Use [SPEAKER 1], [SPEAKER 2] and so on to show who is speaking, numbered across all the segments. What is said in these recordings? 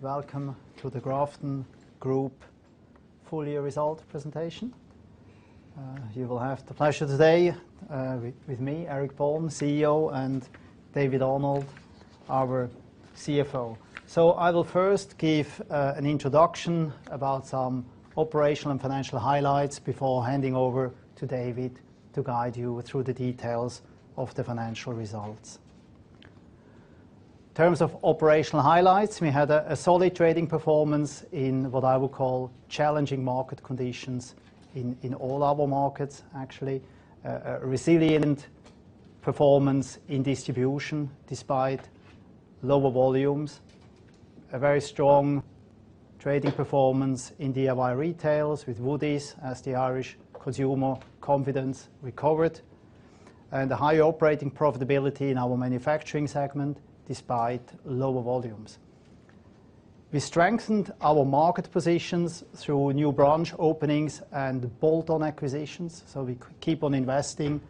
[SPEAKER 1] Welcome to the Grafton Group full year result presentation. You will have the pleasure today with me, Eric Born, CEO, and David Arnold, our CFO. So I will first give an introduction about some operational and financial highlights before handing over to David to guide you through the details of the financial results. In terms of operational highlights, we had a solid trading performance in what I would call challenging market conditions in all our markets, actually. A resilient performance in distribution despite lower volumes, a very strong trading performance in DIY retails with Woodie's as the Irish consumer confidence recovered, and a higher operating profitability in our manufacturing segment despite lower volumes. We strengthened our market positions through new branch openings and bolt-on acquisitions, so we keep on investing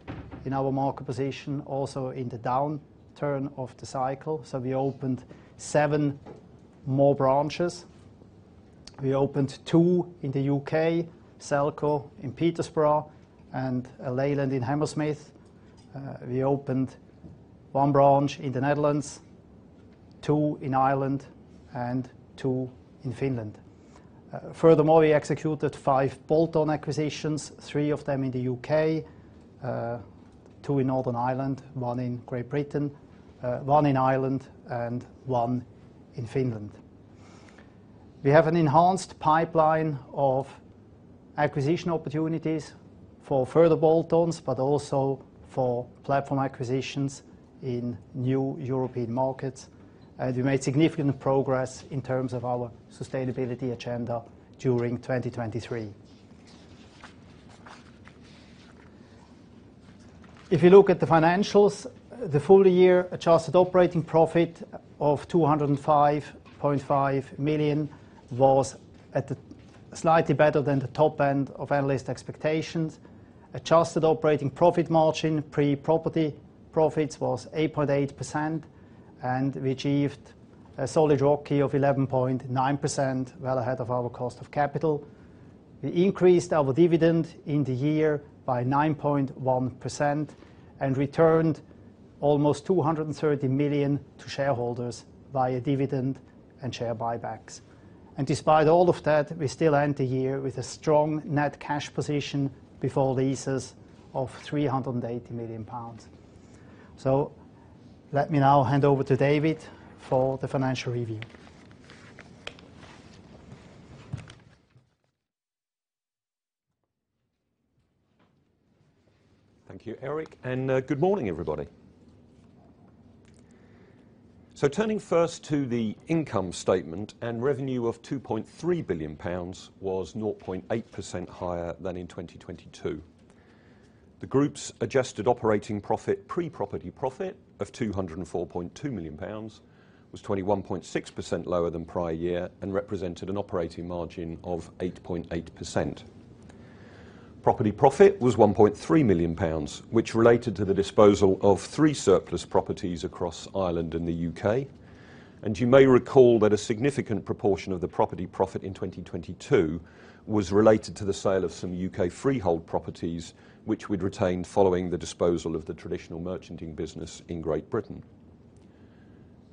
[SPEAKER 1] in our market position also in the downturn of the cycle. So we opened seven more branches. We opened two in the U.K., Selco in Peterborough and Leyland in Hammersmith. We opened one branch in the Netherlands, two in Ireland, and two in Finland. Furthermore, we executed five bolt-on acquisitions, three of them in the U.K., two in Northern Ireland, one in Great Britain, one in Ireland and one in Finland. We have an enhanced pipeline of acquisition opportunities for further bolt-ons, but also for platform acquisitions in new European markets, and we made significant progress in terms of our sustainability agenda during 2023. If you look at the financials, the full-year adjusted operating profit of 205.5 million was slightly better than the top end of analyst expectations. Adjusted operating profit margin, pre-property profits, was 8.8%, and we achieved a solid ROCE of 11.9%, well ahead of our cost of capital. We increased our dividend in the year by 9.1% and returned almost 230 million to shareholders via dividend and share buybacks. Despite all of that, we still end the year with a strong net cash position before leases of 380 million pounds. Let me now hand over to David for the financial review.
[SPEAKER 2] Thank you, Eric, and good morning, everybody. So turning first to the income statement, and revenue of 2.3 billion pounds was 0.8% higher than in 2022. The group's adjusted operating profit, pre-property profit, of 204.2 million pounds was 21.6% lower than prior year and represented an operating margin of 8.8%. Property profit was 1.3 million pounds, which related to the disposal of three surplus properties across Ireland and the U.K. And you may recall that a significant proportion of the property profit in 2022 was related to the sale of some U.K. freehold properties, which we'd retained following the disposal of the traditional merchanting business in Great Britain.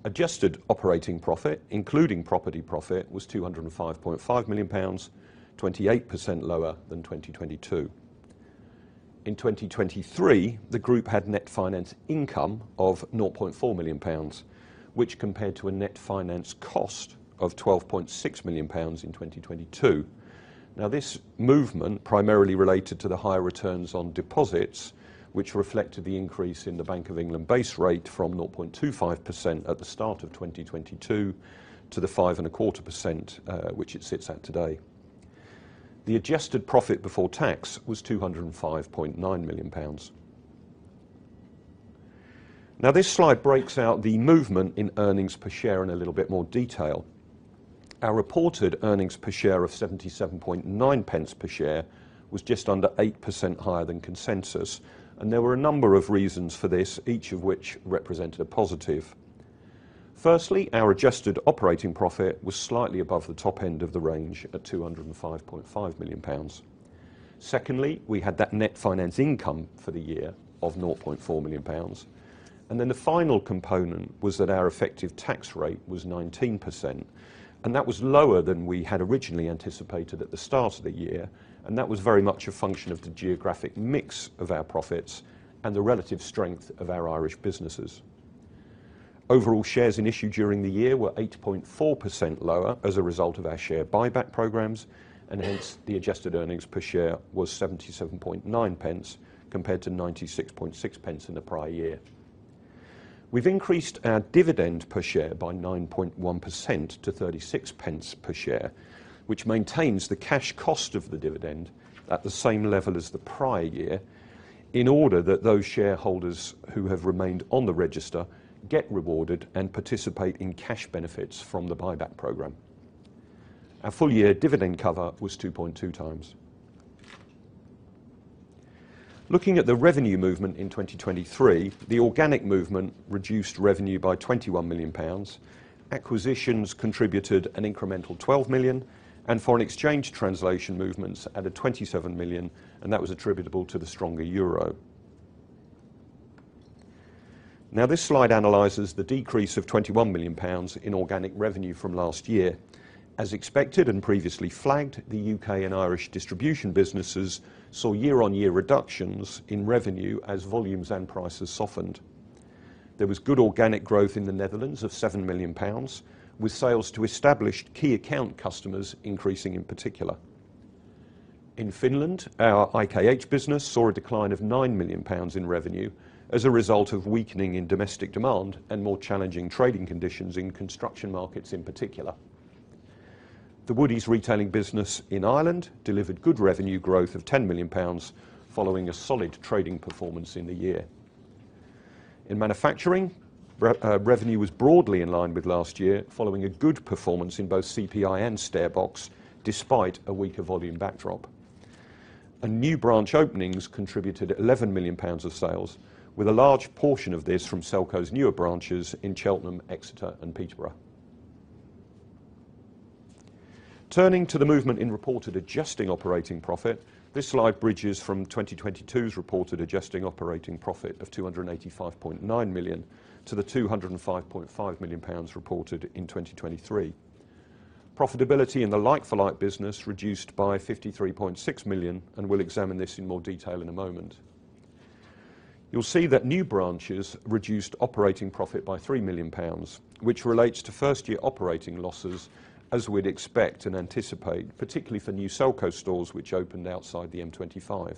[SPEAKER 2] Adjusted operating profit, including property profit, was 205.5 million pounds, 28% lower than 2022. In 2023, the group had net finance income of 0.4 million pounds, which compared to a net finance cost of 12.6 million pounds in 2022. Now, this movement primarily related to the higher returns on deposits, which reflected the increase in the Bank of England base rate from 0.25% at the start of 2022 to the 5.25%, which it sits at today. The adjusted profit before tax was 205.9 million pounds. Now, this slide breaks out the movement in earnings per share in a little bit more detail. Our reported earnings per share of GBP .779 per share was just under 8% higher than consensus, and there were a number of reasons for this, each of which represented a positive. Firstly, our adjusted operating profit was slightly above the top end of the range at 205.5 million pounds. Secondly, we had that net finance income for the year of 0.4 million pounds. And then the final component was that our effective tax rate was 19%, and that was lower than we had originally anticipated at the start of the year, and that was very much a function of the geographic mix of our profits and the relative strength of our Irish businesses. Overall, shares in issue during the year were 8.4% lower as a result of our share buyback programs, and hence, the adjusted earnings per share was GBP .779, compared to GBP .966 in the prior year. We've increased our dividend per share by 9.1% to 0.36 per share, which maintains the cash cost of the dividend at the same level as the prior year, in order that those shareholders who have remained on the register get rewarded and participate in cash benefits from the buyback program. Our full-year dividend cover was 2.2x. Looking at the revenue movement in 2023, the organic movement reduced revenue by 21 million pounds. Acquisitions contributed an incremental 12 million, and foreign exchange translation movements added 27 million, and that was attributable to the stronger euro. Now, this slide analyzes the decrease of 21 million pounds in organic revenue from last year. As expected and previously flagged, the U.K. and Irish distribution businesses saw year-on-year reductions in revenue as volumes and prices softened. There was good organic growth in the Netherlands of 7 million pounds, with sales to established key account customers increasing in particular. In Finland, our IKH business saw a decline of 9 million pounds in revenue as a result of weakening in domestic demand and more challenging trading conditions in construction markets in particular. The Woodie's retailing business in Ireland delivered good revenue growth of 10 million pounds, following a solid trading performance in the year. In manufacturing, revenue was broadly in line with last year, following a good performance in both CPI and StairBox, despite a weaker volume backdrop. New branch openings contributed 11 million pounds of sales, with a large portion of this from Selco's newer branches in Cheltenham, Exeter and Peterborough. Turning to the movement in reported adjusting operating profit, this slide bridges from 2022's reported adjusting operating profit of 285.9 million to the 205.5 million pounds reported in 2023. Profitability in the like-for-like business reduced by 53.6 million, and we'll examine this in more detail in a moment. You'll see that new branches reduced operating profit by 3 million pounds, which relates to first-year operating losses, as we'd expect and anticipate, particularly for new Selco stores, which opened outside the M25.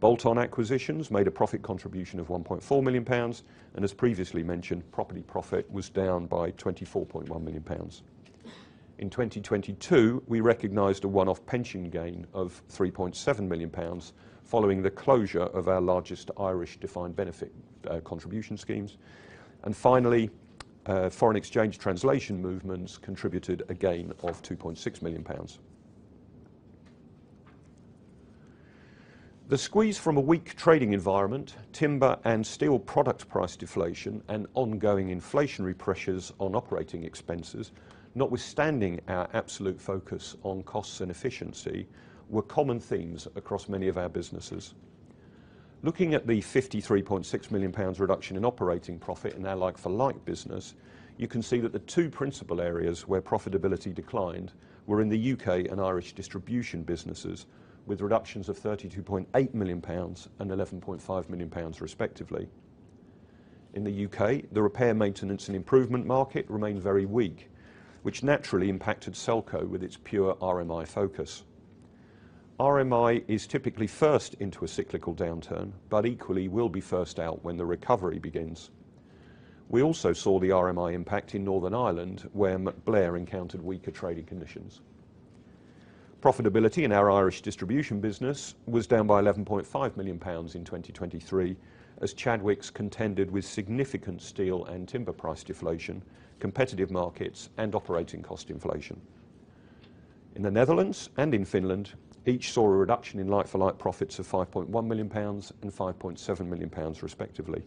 [SPEAKER 2] Bolt-on acquisitions made a profit contribution of 1.4 million pounds, and as previously mentioned, property profit was down by 24.1 million pounds. In 2022, we recognized a one-off pension gain of 3.7 million pounds, following the closure of our largest Irish defined benefit contribution schemes. And finally, foreign exchange translation movements contributed a gain of 2.6 million pounds. The squeeze from a weak trading environment, timber and steel product price deflation, and ongoing inflationary pressures on operating expenses, notwithstanding our absolute focus on costs and efficiency, were common themes across many of our businesses. Looking at the 53.6 million pounds reduction in operating profit in our like-for-like business, you can see that the two principal areas where profitability declined were in the U.K. and Irish distribution businesses, with reductions of 32.8 million pounds and 11.5 million pounds respectively. In the U.K., the repair, maintenance, and improvement market remained very weak, which naturally impacted Selco with its pure RMI focus. RMI is typically first into a cyclical downturn, but equally will be first out when the recovery begins. We also saw the RMI impact in Northern Ireland, where MacBlair encountered weaker trading conditions. Profitability in our Irish distribution business was down by 11.5 million pounds in 2023, as Chadwicks contended with significant steel and timber price deflation, competitive markets, and operating cost inflation. In the Netherlands and in Finland, each saw a reduction in like-for-like profits of 5.1 million pounds and 5.7 million pounds, respectively.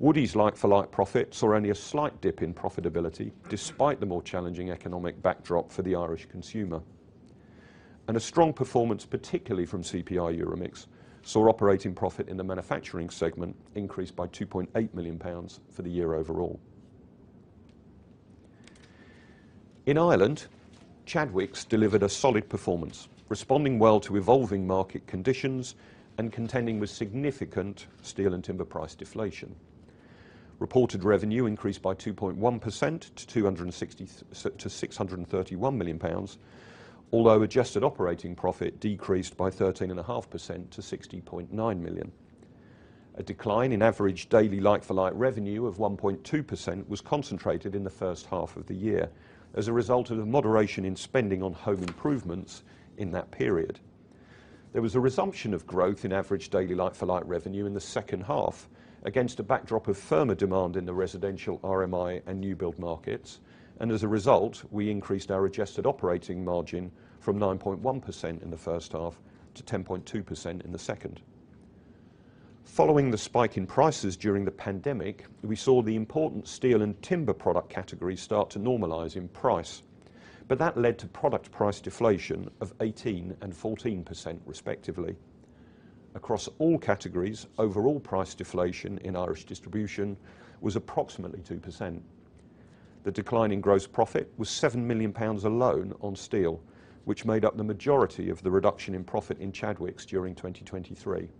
[SPEAKER 2] Woodie's like-for-like profits saw only a slight dip in profitability, despite the more challenging economic backdrop for the Irish consumer. And a strong performance, particularly from CPI EuroMix, saw operating profit in the manufacturing segment increase by 2.8 million pounds for the year overall. In Ireland, Chadwicks delivered a solid performance, responding well to evolving market conditions and contending with significant steel and timber price deflation. Reported revenue increased by 2.1% to 631 million pounds, although adjusted operating profit decreased by 13.5% to 60.9 million. A decline in average daily like-for-like revenue of 1.2% was concentrated in the first half of the year as a result of a moderation in spending on home improvements in that period. There was a resumption of growth in average daily like-for-like revenue in the second half against a backdrop of firmer demand in the residential RMI and new build markets, and as a result, we increased our adjusted operating margin from 9.1% in the first half to 10.2% in the second. Following the spike in prices during the pandemic, we saw the important steel and timber product categories start to normalize in price, but that led to product price deflation of 18% and 14%, respectively. Across all categories, overall price deflation in Irish distribution was approximately 2%. The decline in gross profit was 7 million pounds alone on steel, which made up the majority of the reduction in profit in Chadwicks during 2023.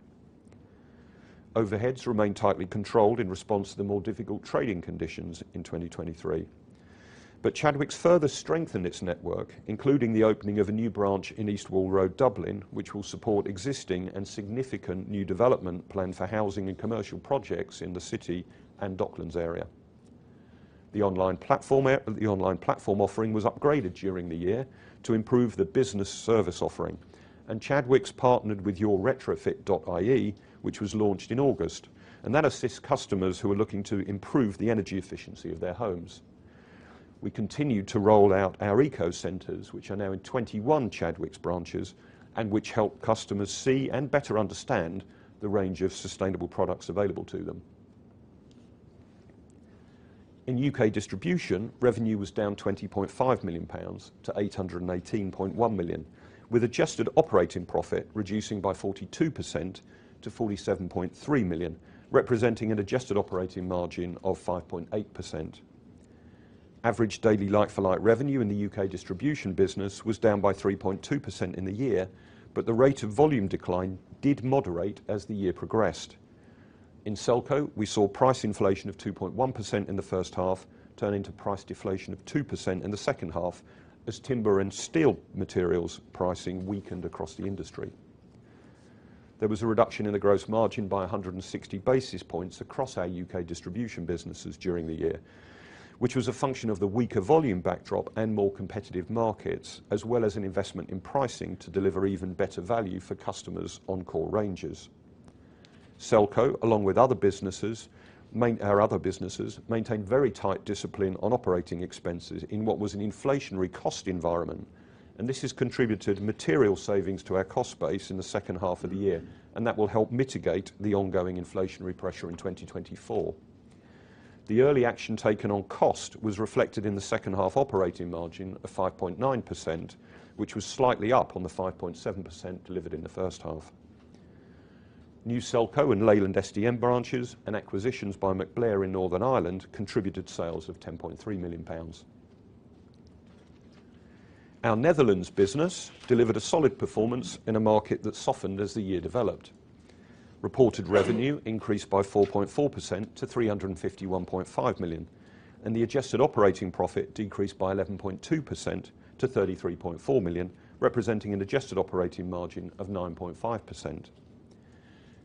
[SPEAKER 2] Overheads remained tightly controlled in response to the more difficult trading conditions in 2023. Chadwicks further strengthened its network, including the opening of a new branch in East Wall Road, Dublin, which will support existing and significant new development planned for housing and commercial projects in the city and Docklands area. The online platform offering was upgraded during the year to improve the business service offering, and Chadwicks partnered with YourRetrofit.ie, which was launched in August. And that assists customers who are looking to improve the energy efficiency of their homes. We continued to roll out our Eco Centres, which are now in 21 Chadwicks branches, and which help customers see and better understand the range of sustainable products available to them. In U.K. distribution, revenue was down 20.5 million pounds to 819.1 million, with adjusted operating profit reducing by 42% to 47.3 million, representing an adjusted operating margin of 5.8%. Average daily like-for-like revenue in the U.K. distribution business was down by 3.2% in the year, but the rate of volume decline did moderate as the year progressed. In Selco, we saw price inflation of 2.1% in the first half, turning to price deflation of 2% in the second half, as timber and steel materials pricing weakened across the industry. There was a reduction in the gross margin by 160 basis points across our U.K. distribution businesses during the year, which was a function of the weaker volume backdrop and more competitive markets, as well as an investment in pricing to deliver even better value for customers on core ranges. Selco, along with other businesses, our other businesses, maintained very tight discipline on operating expenses in what was an inflationary cost environment. This has contributed material savings to our cost base in the second half of the year, and that will help mitigate the ongoing inflationary pressure in 2024. The early action taken on cost was reflected in the second half operating margin of 5.9%, which was slightly up on the 5.7% delivered in the first half. New Selco and Leyland SDM branches and acquisitions by MacBlair in Northern Ireland contributed sales of 10.3 million pounds. Our Netherlands business delivered a solid performance in a market that softened as the year developed. Reported revenue increased by 4.4% to 351.5 million, and the adjusted operating profit decreased by 11.2% to 33.4 million, representing an adjusted operating margin of 9.5%.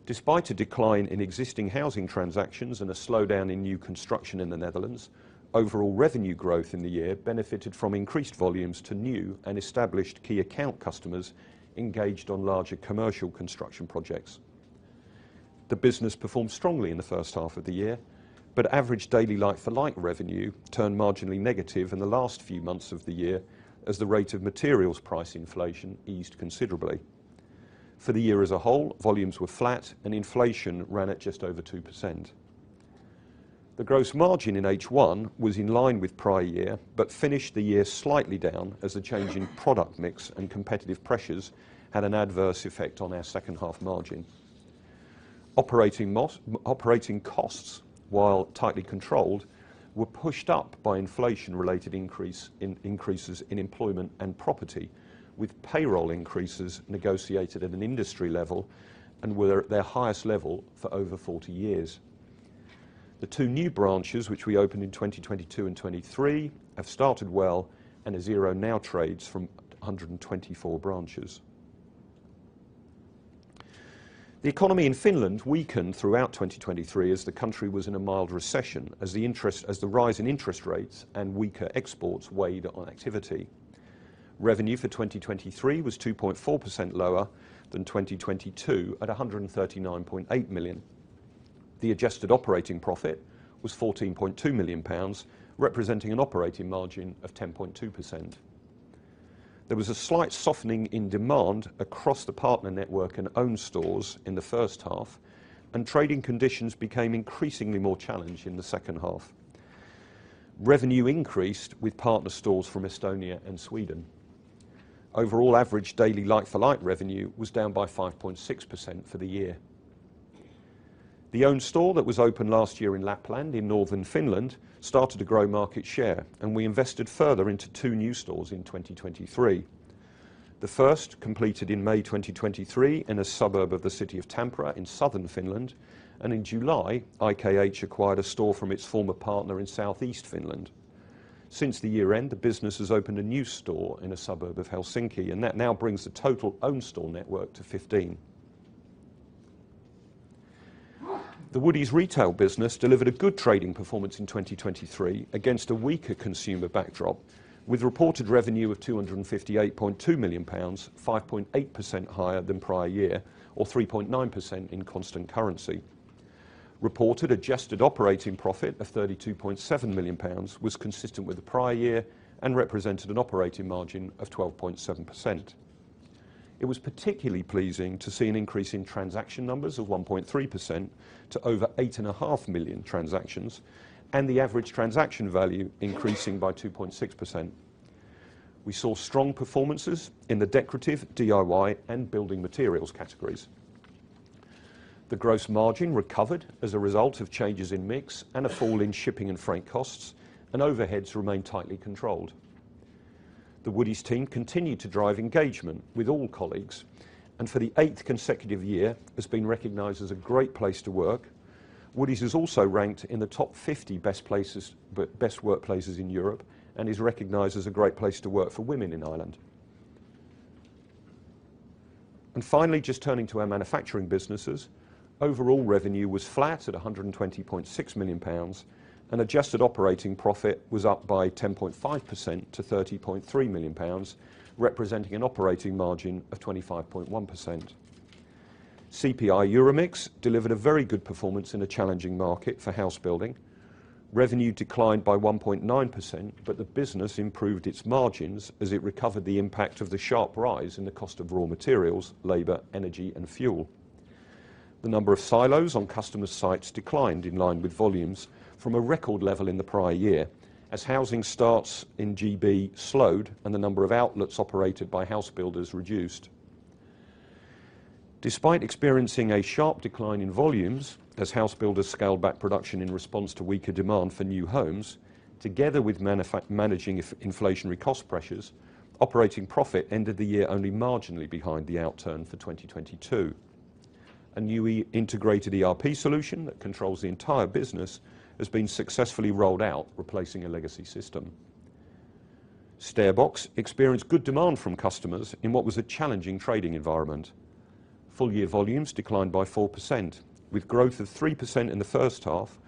[SPEAKER 2] Despite a decline in existing housing transactions and a slowdown in new construction in the Netherlands, overall revenue growth in the year benefited from increased volumes to new and established key account customers engaged on larger commercial construction projects. The business performed strongly in the first half of the year, but average daily like-for-like revenue turned marginally negative in the last few months of the year, as the rate of materials price inflation eased considerably. For the year as a whole, volumes were flat and inflation ran at just over 2%. The gross margin in H1 was in line with prior year, but finished the year slightly down as a change in product mix and competitive pressures had an adverse effect on our second half margin. Operating costs, while tightly controlled, were pushed up by inflation-related increases in employment and property, with payroll increases negotiated at an industry level and were at their highest level for over 40 years. The two new branches, which we opened in 2022 and 2023, have started well and as of now trades from 124 branches. The economy in Finland weakened throughout 2023 as the country was in a mild recession, as the rise in interest rates and weaker exports weighed on activity. Revenue for 2023 was 2.4% lower than 2022 at 139.8 million. The adjusted operating profit was 14.2 million pounds, representing an operating margin of 10.2%. There was a slight softening in demand across the partner network and own stores in the first half, and trading conditions became increasingly more challenged in the second half. Revenue increased with partner stores from Estonia and Sweden. Overall, average daily like-for-like revenue was down by 5.6% for the year. The own store that was opened last year in Lapland, in northern Finland, started to grow market share, and we invested further into two new stores in 2023. The first, completed in May 2023, in a suburb of the city of Tampere in southern Finland, and in July, IKH acquired a store from its former partner in southeast Finland. Since the year end, the business has opened a new store in a suburb of Helsinki, and that now brings the total own store network to 15. The Woodie's retail business delivered a good trading performance in 2023 against a weaker consumer backdrop, with reported revenue of 258.2 million pounds, 5.8% higher than prior year or 3.9% in constant currency. Reported adjusted operating profit of 32.7 million pounds was consistent with the prior year and represented an operating margin of 12.7%. It was particularly pleasing to see an increase in transaction numbers of 1.3% to over 8.5 million transactions, and the average transaction value increasing by 2.6%. We saw strong performances in the decorative, DIY, and building materials categories. The gross margin recovered as a result of changes in mix and a fall in shipping and freight costs, and overheads remained tightly controlled. The Woodie's team continued to drive engagement with all colleagues, and for the eighth consecutive year, has been recognized as a great place to work. Woodie's is also ranked in the top 50 best places, best workplaces in Europe, and is recognized as a great place to work for women in Ireland. And finally, just turning to our manufacturing businesses, overall revenue was flat at 120.6 million pounds, and adjusted operating profit was up by 10.5% to 30.3 million pounds, representing an operating margin of 25.1%. CPI EuroMix delivered a very good performance in a challenging market for house building. Revenue declined by 1.9%, but the business improved its margins as it recovered the impact of the sharp rise in the cost of raw materials, labor, energy, and fuel. The number of silos on customer sites declined in line with volumes from a record level in the prior year, as housing starts in GB slowed and the number of outlets operated by house builders reduced. Despite experiencing a sharp decline in volumes as house builders scaled back production in response to weaker demand for new homes, together with managing inflationary cost pressures, operating profit ended the year only marginally behind the outturn for 2022. A newly integrated ERP solution that controls the entire business has been successfully rolled out, replacing a legacy system. StairBox experienced good demand from customers in what was a challenging trading environment. Full year volumes declined by 4%, with growth of 3% in the first half,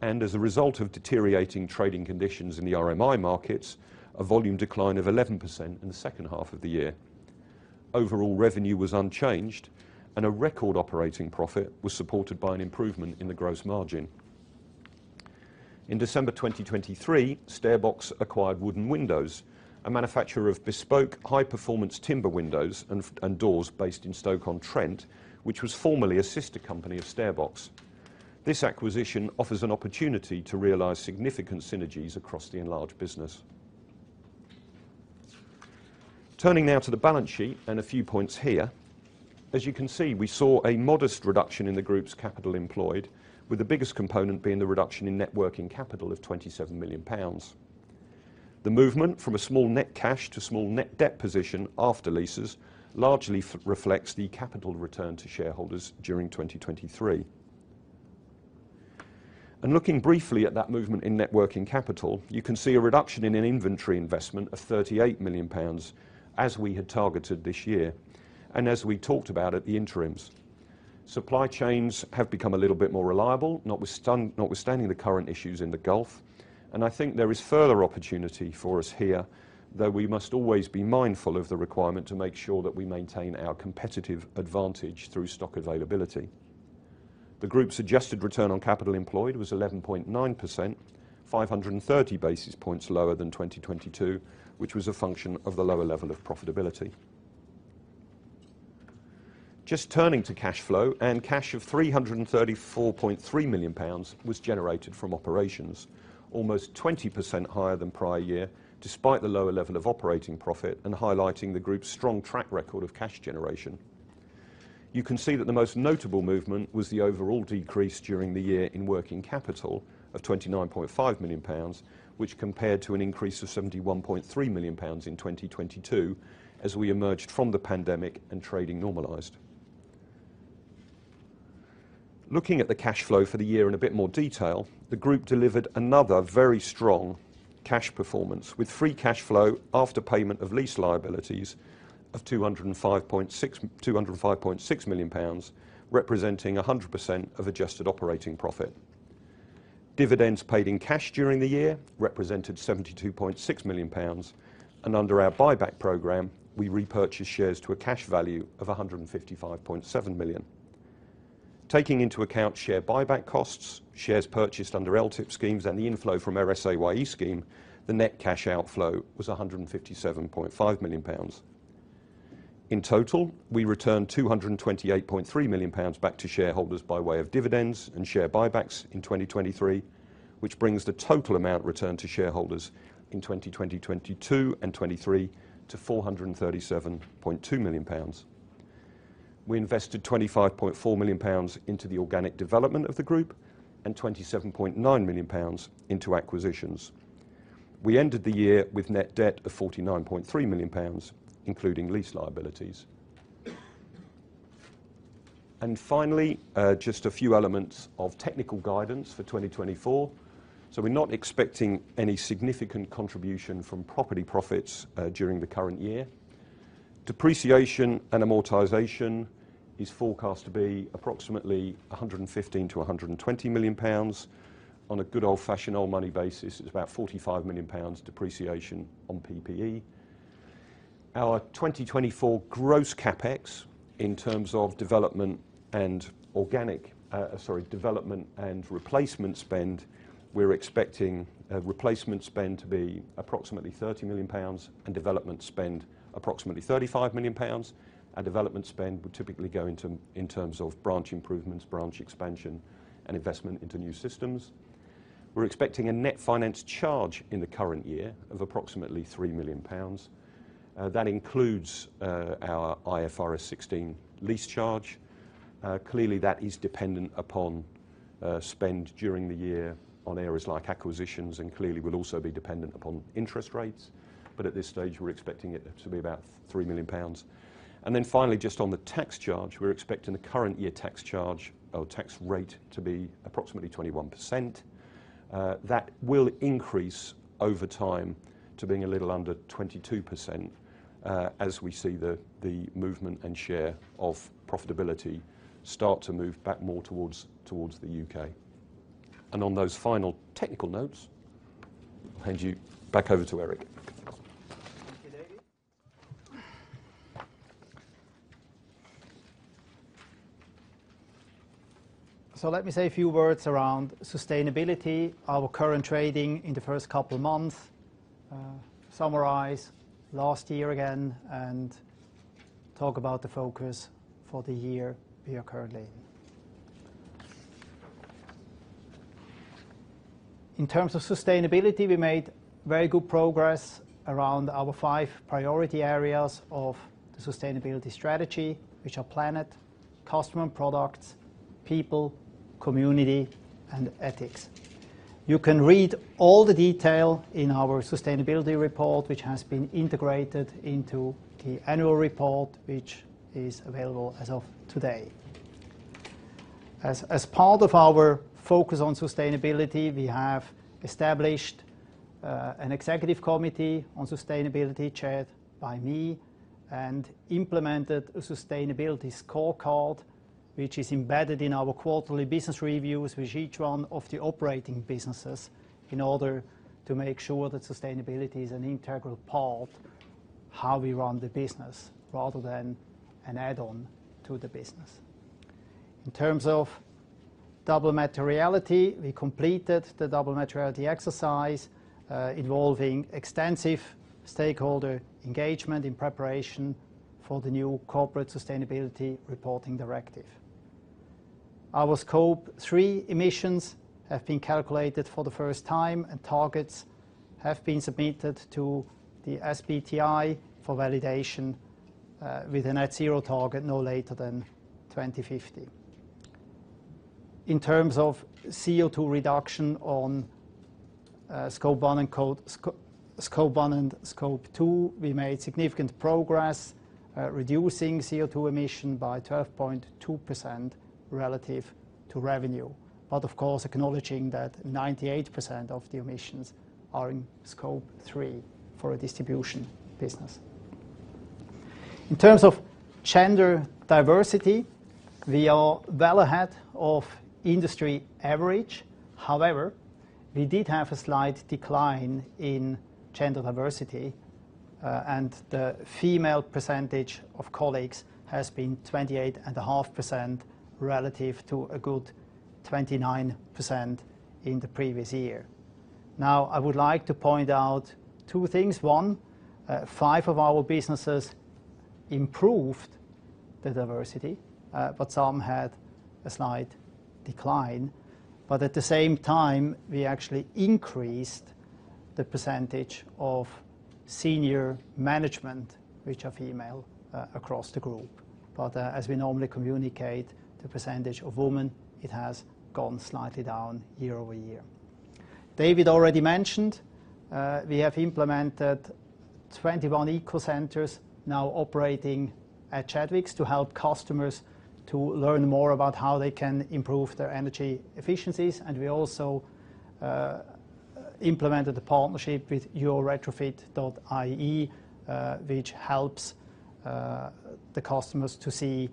[SPEAKER 2] and as a result of deteriorating trading conditions in the RMI markets, a volume decline of 11% in the second half of the year. Overall revenue was unchanged, and a record operating profit was supported by an improvement in the gross margin. In December 2023, StairBox acquired Wooden Windows, a manufacturer of bespoke, high-performance timber windows and doors based in Stoke-on-Trent, which was formerly a sister company of StairBox. This acquisition offers an opportunity to realize significant synergies across the enlarged business. Turning now to the balance sheet, and a few points here. As you can see, we saw a modest reduction in the group's capital employed, with the biggest component being the reduction in net working capital of 27 million pounds. The movement from a small net cash to small net debt position after leases largely reflects the capital return to shareholders during 2023. And looking briefly at that movement in net working capital, you can see a reduction in an inventory investment of 38 million pounds, as we had targeted this year, and as we talked about at the interims. Supply chains have become a little bit more reliable, notwithstanding the current issues in the Gulf, and I think there is further opportunity for us here, though we must always be mindful of the requirement to make sure that we maintain our competitive advantage through stock availability. The group's suggested return on capital employed was 11.9%, 530 basis points lower than 2022, which was a function of the lower level of profitability. Just turning to cash flow, and cash of 334.3 million pounds was generated from operations, almost 20% higher than prior year, despite the lower level of operating profit and highlighting the group's strong track record of cash generation. You can see that the most notable movement was the overall decrease during the year in working capital of 29.5 million pounds, which compared to an increase of 71.3 million pounds in 2022 as we emerged from the pandemic and trading normalized. Looking at the cash flow for the year in a bit more detail, the group delivered another very strong cash performance, with free cash flow after payment of lease liabilities of 205.6, 205.6 million pounds, representing 100% of adjusted operating profit. Dividends paid in cash during the year represented 72.6 million pounds, and under our buyback program, we repurchased shares to a cash value of 155.7 million. Taking into account share buyback costs, shares purchased under LTIP schemes, and the inflow from our SAYE scheme, the net cash outflow was 157.5 million pounds. In total, we returned 228.3 million pounds back to shareholders by way of dividends and share buybacks in 2023, which brings the total amount returned to shareholders in 2022 and 2023 to 437.2 million pounds. We invested 25.4 million pounds into the organic development of the group and 27.9 million pounds into acquisitions. We ended the year with net debt of 49.3 million pounds, including lease liabilities. Finally, just a few elements of technical guidance for 2024. So we're not expecting any significant contribution from property profits during the current year. Depreciation and amortization is forecast to be approximately 115 million-120 million pounds. On a good old-fashioned, old money basis, it's about 45 million pounds depreciation on PPE. Our 2024 gross CapEx in terms of development and organic, sorry, development and replacement spend, we're expecting replacement spend to be approximately 30 million pounds and development spend approximately 35 million pounds, and development spend would typically go into in terms of branch improvements, branch expansion, and investment into new systems. We're expecting a net finance charge in the current year of approximately 3 million pounds. That includes our IFRS 16 lease charge. Clearly, that is dependent upon spend during the year on areas like acquisitions, and clearly will also be dependent upon interest rates. But at this stage, we're expecting it to be about 3 million pounds. And then finally, just on the tax charge, we're expecting the current year tax charge, or tax rate, to be approximately 21%. That will increase over time to being a little under 22%, as we see the movement and share of profitability start to move back more towards the U.K. And on those final technical notes, I'll hand you back over to Eric. ...
[SPEAKER 1] So let me say a few words around sustainability, our current trading in the first couple of months, summarize last year again, and talk about the focus for the year we are currently in. In terms of sustainability, we made very good progress around our five priority areas of the sustainability strategy, which are planet, customer and products, people, community, and ethics. You can read all the detail in our sustainability report, which has been integrated into the annual report, which is available as of today. As part of our focus on sustainability, we have established an executive committee on sustainability, chaired by me, and implemented a sustainability scorecard, which is embedded in our quarterly business reviews with each one of the operating businesses in order to make sure that sustainability is an integral part of how we run the business, rather than an add-on to the business. In terms of double materiality, we completed the double materiality exercise involving extensive stakeholder engagement in preparation for the new Corporate Sustainability Reporting Directive. Our scope three emissions have been calculated for the first time, and targets have been submitted to the SBTi for validation, with a net zero target no later than 2050. In terms of CO₂ reduction on Scope 1 and Scope 2, we made significant progress, reducing CO₂ emission by 12.2% relative to revenue. But of course, acknowledging that 98% of the emissions are in Scope 3 for a distribution business. In terms of gender diversity, we are well ahead of industry average. However, we did have a slight decline in gender diversity, and the female percentage of colleagues has been 28.5%, relative to a good 29% in the previous year. Now, I would like to point out two things. One, five of our businesses improved the diversity, but some had a slight decline. But at the same time, we actually increased the percentage of senior management, which are female, across the group. But as we normally communicate, the percentage of women, it has gone slightly down year-over-year. David already mentioned, we have implemented 21 Eco Centres now operating at Chadwicks to help customers to learn more about how they can improve their energy efficiencies. And we also implemented a partnership with YourRetrofit.ie, which helps the customers to see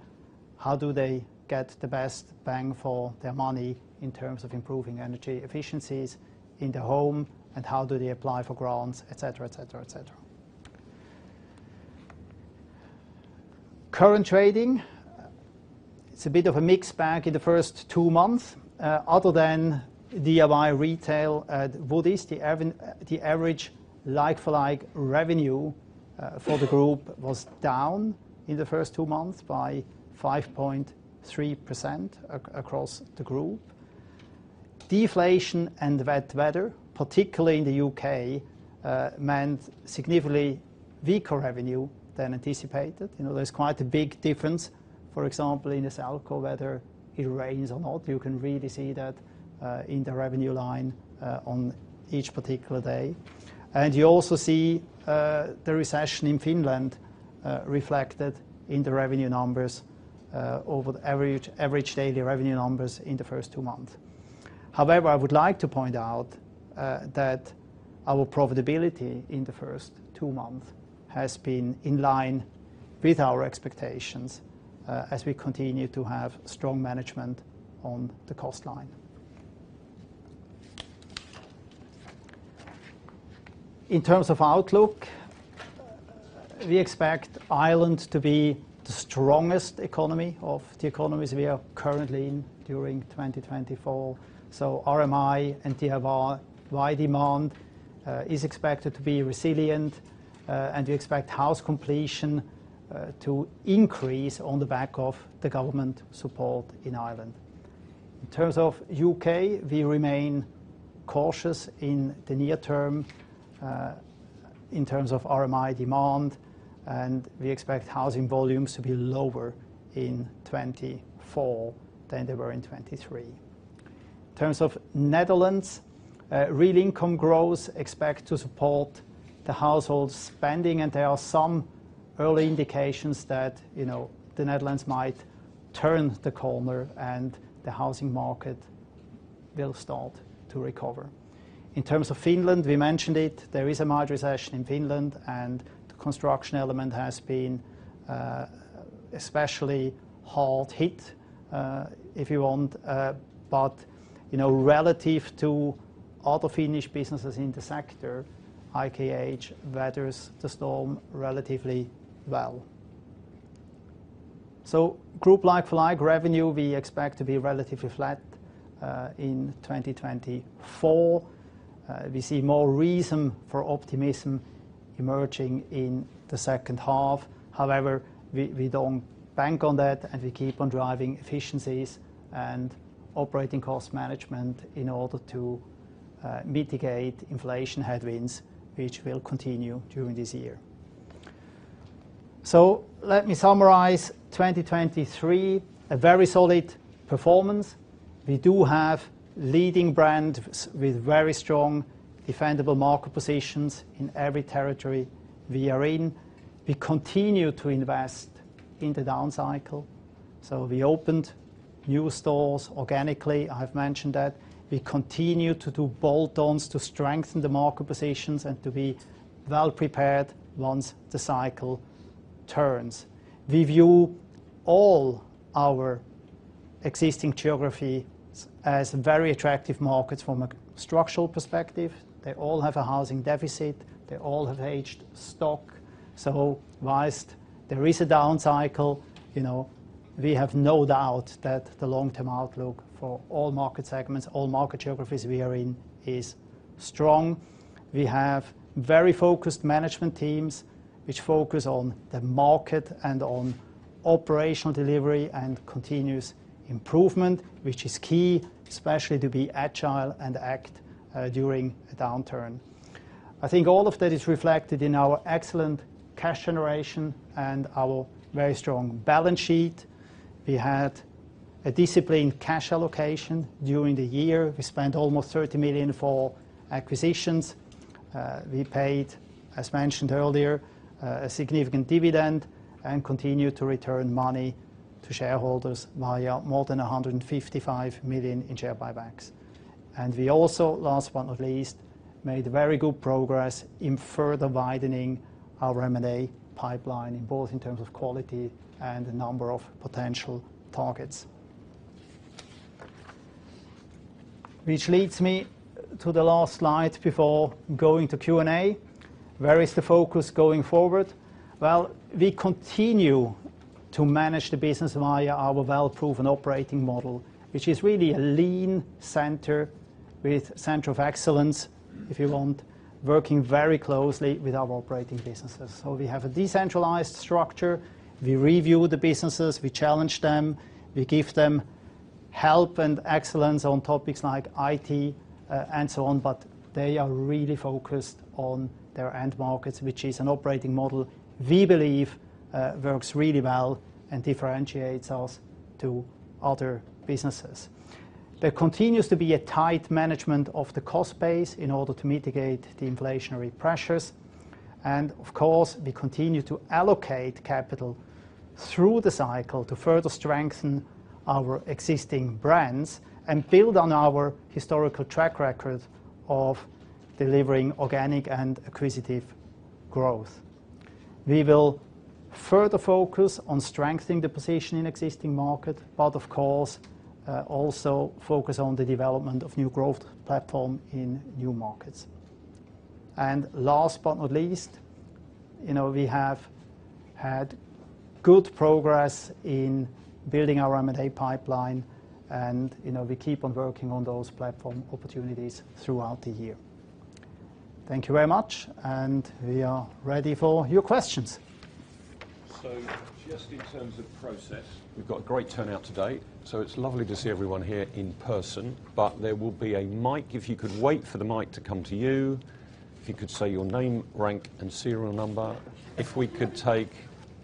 [SPEAKER 1] how do they get the best bang for their money in terms of improving energy efficiencies in the home, and how do they apply for grants, etc. Current trading, it's a bit of a mixed bag in the first two months. Other than DIY retail at Woodie's, the average like-for-like revenue for the group was down in the first two months by 5.3% across the group. Deflation and wet weather, particularly in the U.K., meant significantly weaker revenue than anticipated. You know, there's quite a big difference, for example, in Selco, whether it rains or not. You can really see that in the revenue line on each particular day. And you also see the recession in Finland reflected in the revenue numbers over the average, average daily revenue numbers in the first two months. However, I would like to point out that our profitability in the first two months has been in line with our expectations as we continue to have strong management on the cost line. In terms of outlook, we expect Ireland to be the strongest economy of the economies we are currently in during 2024. So RMI and DIY demand is expected to be resilient, and we expect house completion to increase on the back of the government support in Ireland. In terms of U.K., we remain cautious in the near term in terms of RMI demand, and we expect housing volumes to be lower in 2024 than they were in 2023. In terms of Netherlands, real income growth expect to support the household spending, and there are some early indications that, you know, the Netherlands might turn the corner and the housing market will start to recover. In terms of Finland, we mentioned it, there is a mild recession in Finland, and the construction element has been especially hard hit, if you want. But, you know, relative to other Finnish businesses in the sector, IKH weathers the storm relatively well. So, Group like-for-like revenue, we expect to be relatively flat in 2024. We see more reason for optimism emerging in the second half. However, we don't bank on that, and we keep on driving efficiencies and operating cost management in order to mitigate inflation headwinds, which will continue during this year. So let me summarize 2023, a very solid performance. We do have leading brands with very strong, defendable market positions in every territory we are in. We continue to invest in the down cycle, so we opened new stores organically. I've mentioned that. We continue to do bolt-ons to strengthen the market positions and to be well prepared once the cycle turns. We view all our existing geographies as very attractive markets from a structural perspective. They all have a housing deficit. They all have aged stock. So while there is a down cycle, you know, we have no doubt that the long-term outlook for all market segments, all market geographies we are in, is strong. We have very focused management teams, which focus on the market and on operational delivery and continuous improvement, which is key, especially to be agile and act during a downturn. I think all of that is reflected in our excellent cash generation and our very strong balance sheet. We had a disciplined cash allocation during the year. We spent almost 30 million for acquisitions. We paid, as mentioned earlier, a significant dividend and continued to return money to shareholders via more than 155 million in share buybacks. We also, last but not least, made very good progress in further widening our M&A pipeline, in both in terms of quality and the number of potential targets. Which leads me to the last slide before going to Q&A. Where is the focus going forward? Well, we continue to manage the business via our well-proven operating model, which is really a lean center with center of excellence, if you want, working very closely with our operating businesses. So we have a decentralized structure. We review the businesses, we challenge them, we give them help and excellence on topics like IT, and so on, but they are really focused on their end markets, which is an operating model we believe, works really well and differentiates us to other businesses. There continues to be a tight management of the cost base in order to mitigate the inflationary pressures. And of course, we continue to allocate capital through the cycle to further strengthen our existing brands and build on our historical track record of delivering organic and acquisitive growth. We will further focus on strengthening the position in existing market, but of course, also focus on the development of new growth platform in new markets. And last but not least, you know, we have had good progress in building our M&A pipeline, and, you know, we keep on working on those platform opportunities throughout the year. Thank you very much, and we are ready for your questions.
[SPEAKER 2] So just in terms of process, we've got a great turnout today, so it's lovely to see everyone here in person, but there will be a mic. If you could wait for the mic to come to you, if you could say your name, rank, and serial number. If we could take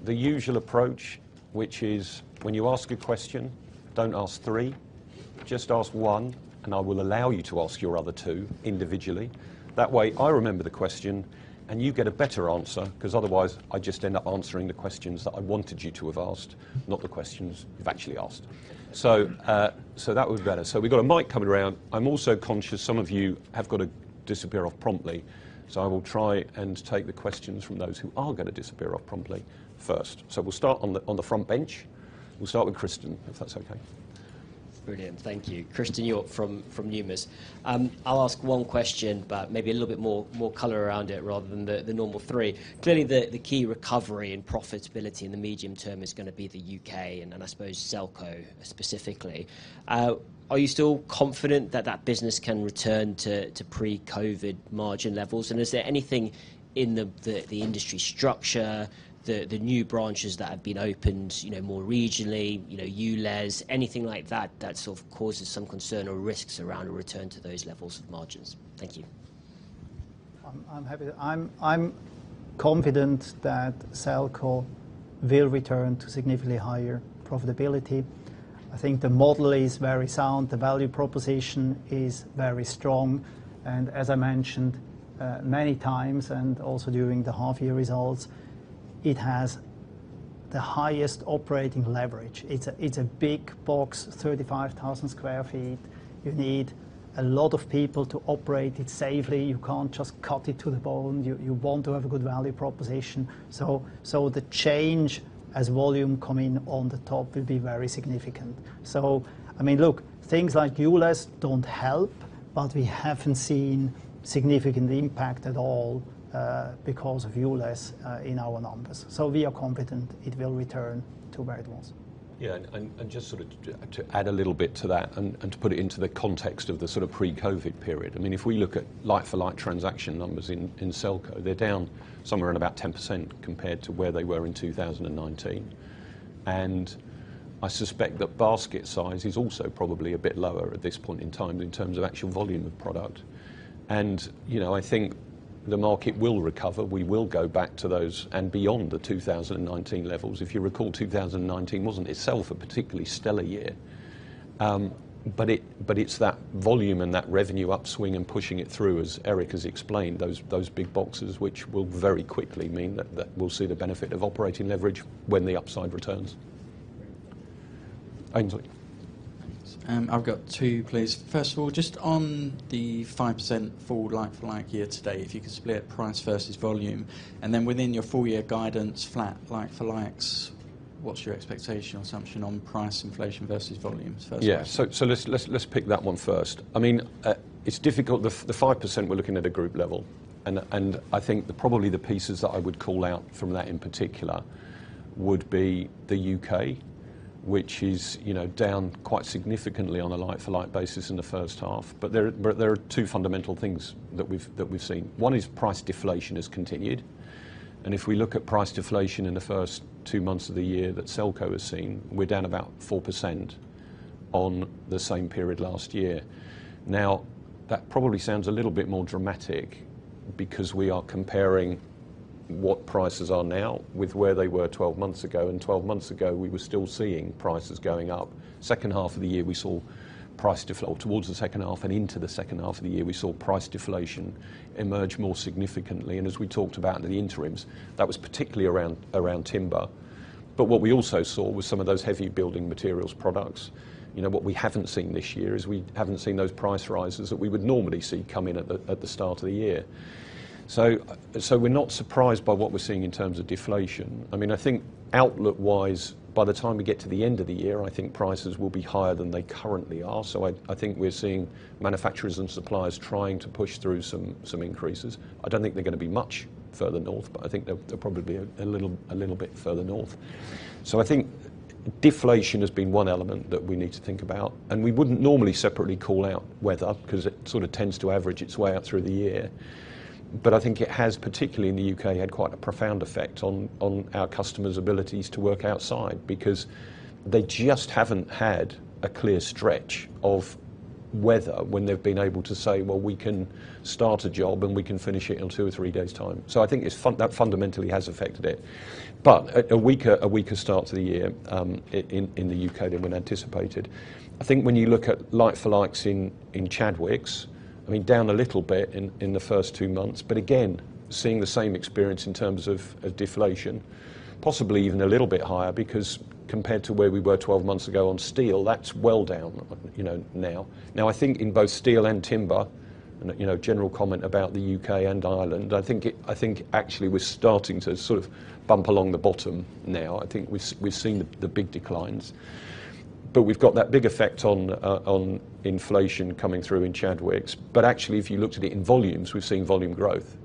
[SPEAKER 2] the usual approach, which is when you ask a question, don't ask three, just ask one, and I will allow you to ask your other two individually. That way, I remember the question, and you get a better answer, because otherwise, I just end up answering the questions that I wanted you to have asked, not the questions you've actually asked. So, so that would be better. So we've got a mic coming around. I'm also conscious some of you have got to disappear off promptly, so I will try and take the questions from those who are going to disappear off promptly first. So we'll start on the front bench. We'll start with Christian, if that's okay.
[SPEAKER 3] Brilliant. Thank you. Christen Hjorth from Numis. I'll ask one question, but maybe a little bit more color around it rather than the normal three. Clearly, the key recovery in profitability in the medium term is going to be the U.K. and I suppose Selco specifically. Are you still confident that that business can return to pre-COVID margin levels? And is there anything in the industry structure, the new branches that have been opened, you know, more regionally, you know, ULEZ, anything like that, that sort of causes some concern or risks around a return to those levels of margins? Thank you.
[SPEAKER 1] I'm happy... I'm confident that Selco will return to significantly higher profitability. I think the model is very sound, the value proposition is very strong, and as I mentioned many times and also during the half-year results, it has the highest operating leverage. It's a big box, 35,000 sq ft. You need a lot of people to operate it safely. You can't just cut it to the bone. You want to have a good value proposition. So the change as volume come in on the top will be very significant. So I mean, look, things like ULEZ don't help, but we haven't seen significant impact at all because of ULEZ in our numbers, so we are confident it will return to where it was.
[SPEAKER 2] Yeah, and just sort of to add a little bit to that, and to put it into the context of the sort of pre-COVID period, I mean, if we look at like-for-like transaction numbers in Selco, they're down somewhere around about 10% compared to where they were in 2019. And I suspect that basket size is also probably a bit lower at this point in time in terms of actual volume of product. And, you know, I think the market will recover. We will go back to those and beyond the 2019 levels. If you recall, 2019 wasn't itself a particularly stellar year. But it's that volume and that revenue upswing and pushing it through, as Eric has explained, those big boxes, which will very quickly mean that we'll see the benefit of operating leverage when the upside returns. Anthony?
[SPEAKER 4] I've got two, please. First of all, just on the 5% full like-for-like year to date, if you could split price versus volume, and then within your full year guidance, flat like-for-likes, what's your expectation or assumption on price inflation versus volumes first?
[SPEAKER 2] Yeah. So let's pick that one first. I mean, it's difficult. The 5% we're looking at a group level and I think probably the pieces that I would call out from that, in particular, would be the U.K., which is, you know, down quite significantly on a like-for-like basis in the first half. But there are two fundamental things that we've seen. One is price deflation has continued, and if we look at price deflation in the first two months of the year that Selco has seen, we're down about 4% on the same period last year. Now, that probably sounds a little bit more dramatic because we are comparing what prices are now with where they were 12 months ago, and 12 months ago, we were still seeing prices going up. Second half of the year, towards the second half and into the second half of the year, we saw price deflation emerge more significantly, and as we talked about in the interims, that was particularly around timber. But what we also saw was some of those heavy building materials products. You know, what we haven't seen this year is we haven't seen those price rises that we would normally see come in at the start of the year. So we're not surprised by what we're seeing in terms of deflation. I mean, I think outlook wise, by the time we get to the end of the year, I think prices will be higher than they currently are. So I think we're seeing manufacturers and suppliers trying to push through some increases. I don't think they're going to be much further north, but I think they'll probably be a little bit further north. So I think deflation has been one element that we need to think about, and we wouldn't normally separately call out weather because it sort of tends to average its way out through the year. But I think it has, particularly in the U.K., had quite a profound effect on our customers' abilities to work outside because they just haven't had a clear stretch of weather when they've been able to say, "Well, we can start a job and we can finish it in two or three days' time." So I think that fundamentally has affected it. But a weaker start to the year in the U.K. than we'd anticipated. I think when you look at like-for-likes in Chadwicks, I mean, down a little bit in the first two months, but again, seeing the same experience in terms of deflation, possibly even a little bit higher because compared to where we were 12 months ago on steel, that's well down, you know, now. Now, I think in both steel and timber, and, you know, general comment about the U.K. and Ireland, I think actually we're starting to sort of bump along the bottom now. I think we've seen the big declines, but we've got that big effect on inflation coming through in Chadwicks. But actually, if you looked at it in volumes, we've seen volume growth.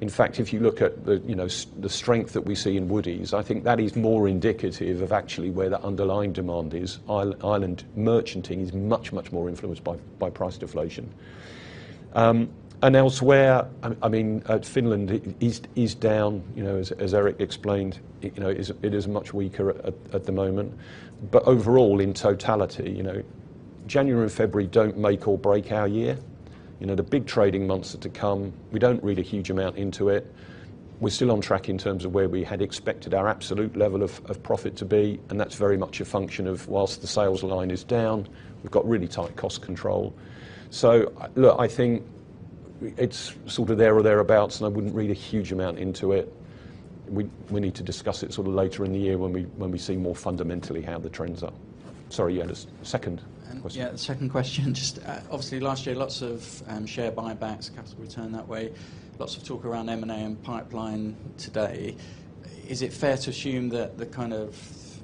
[SPEAKER 2] In fact, if you look at the, you know, the strength that we see in Woodie's, I think that is more indicative of actually where the underlying demand is. Ireland merchanting is much, much more influenced by, by price deflation. And elsewhere, I mean, in Finland, it is down, you know, as Eric explained, you know, it is much weaker at the moment. But overall, in totality, you know, January and February don't make or break our year. You know, the big trading months are to come. We don't read a huge amount into it. We're still on track in terms of where we had expected our absolute level of profit to be, and that's very much a function of whilst the sales line is down, we've got really tight cost control. So look, I think it's sort of there or thereabouts, and I wouldn't read a huge amount into it. We need to discuss it sort of later in the year when we see more fundamentally how the trends are. Sorry, yeah, the second question.
[SPEAKER 4] Yeah, the second question, just, obviously last year, lots of share buybacks, capital return that way. Lots of talk around M&A and pipeline today. Is it fair to assume that the kind of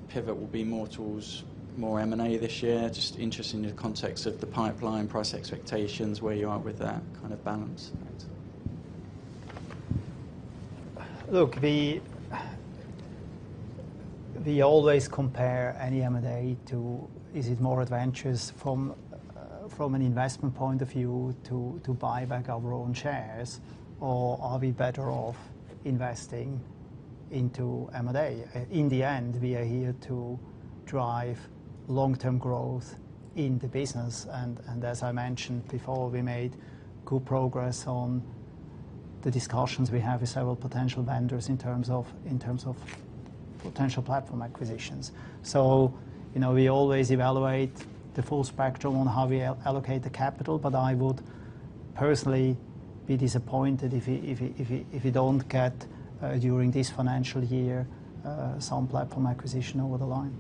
[SPEAKER 4] pivot will be more towards more M&A this year? Just interested in the context of the pipeline, price expectations, where you are with that kind of balance.
[SPEAKER 1] Look, we always compare any M&A to, is it more advantageous from an investment point of view, to buy back our own shares, or are we better off investing into M&A? In the end, we are here to drive long-term growth in the business, and as I mentioned before, we made good progress on the discussions we have with several potential vendors in terms of potential platform acquisitions. So, you know, we always evaluate the full spectrum on how we allocate the capital, but I would personally be disappointed if we don't get, during this financial year, some platform acquisition over the line.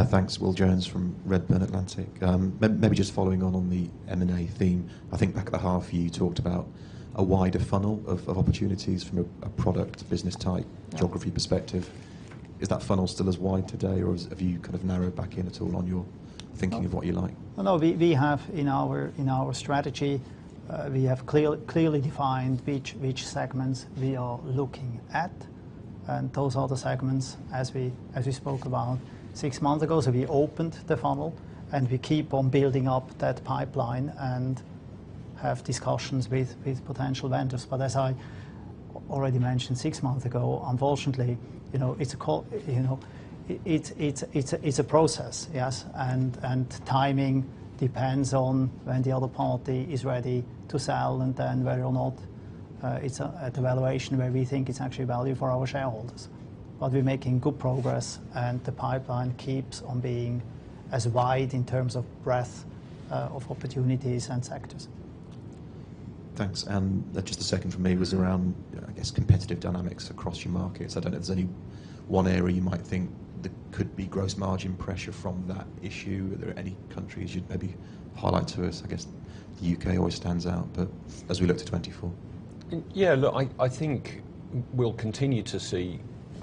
[SPEAKER 5] Thanks. Will Jones from Redburn Atlantic. Maybe just following on the M&A theme, I think back at the half year, you talked about a wider funnel of opportunities from a product business type-
[SPEAKER 1] Yeah
[SPEAKER 5] geography perspective. Is that funnel still as wide today, or have you kind of narrowed back in at all on your thinking of what you like?
[SPEAKER 1] No, we have in our strategy clearly defined which segments we are looking at, and those are the segments as we spoke about six months ago. So we opened the funnel, and we keep on building up that pipeline and have discussions with potential vendors. But as I already mentioned six months ago, unfortunately, you know, it's a call, you know, it's a process, yes? And timing depends on when the other party is ready to sell, and then whether or not it's at a valuation where we think it's actually value for our shareholders. But we're making good progress, and the pipeline keeps on being as wide in terms of breadth of opportunities and sectors.
[SPEAKER 5] Thanks. Just a second for me was around, I guess, competitive dynamics across your markets. I don't know if there's any one area you might think there could be gross margin pressure from that issue. Are there any countries you'd maybe highlight to us? I guess the U.K. always stands out, but as we look to 2024.
[SPEAKER 2] Yeah, look, I think we'll continue to see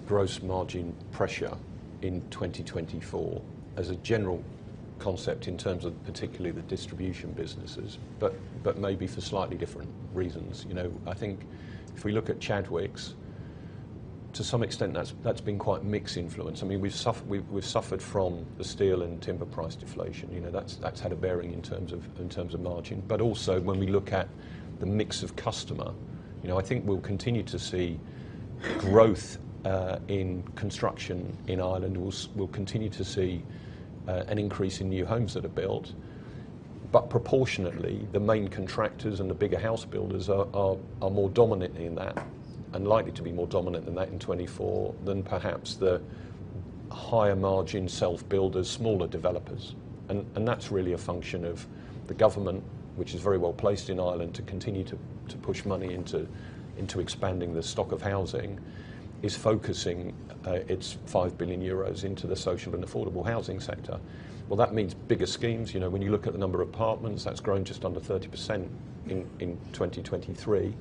[SPEAKER 2] gross margin pressure in 2024 as a general concept in terms of particularly the distribution businesses, but maybe for slightly different reasons. You know, I think if we look at Chadwicks, to some extent, that's been quite mix influence. I mean, we've suffered from the steel and timber price deflation. You know, that's had a bearing in terms of margin. But also, when we look at the mix of customer, you know, I think we'll continue to see growth in construction in Ireland. We'll continue to see an increase in new homes that are built. But proportionately, the main contractors and the bigger house builders are more dominant in that, and likely to be more dominant in that in 2024 than perhaps the higher margin self-builders, smaller developers. And that's really a function of the government, which is very well-placed in Ireland to continue to push money into expanding the stock of housing, is focusing its 5 billion euros into the social and affordable housing sector. Well, that means bigger schemes. You know, when you look at the number of apartments, that's grown just under 30% in 2023.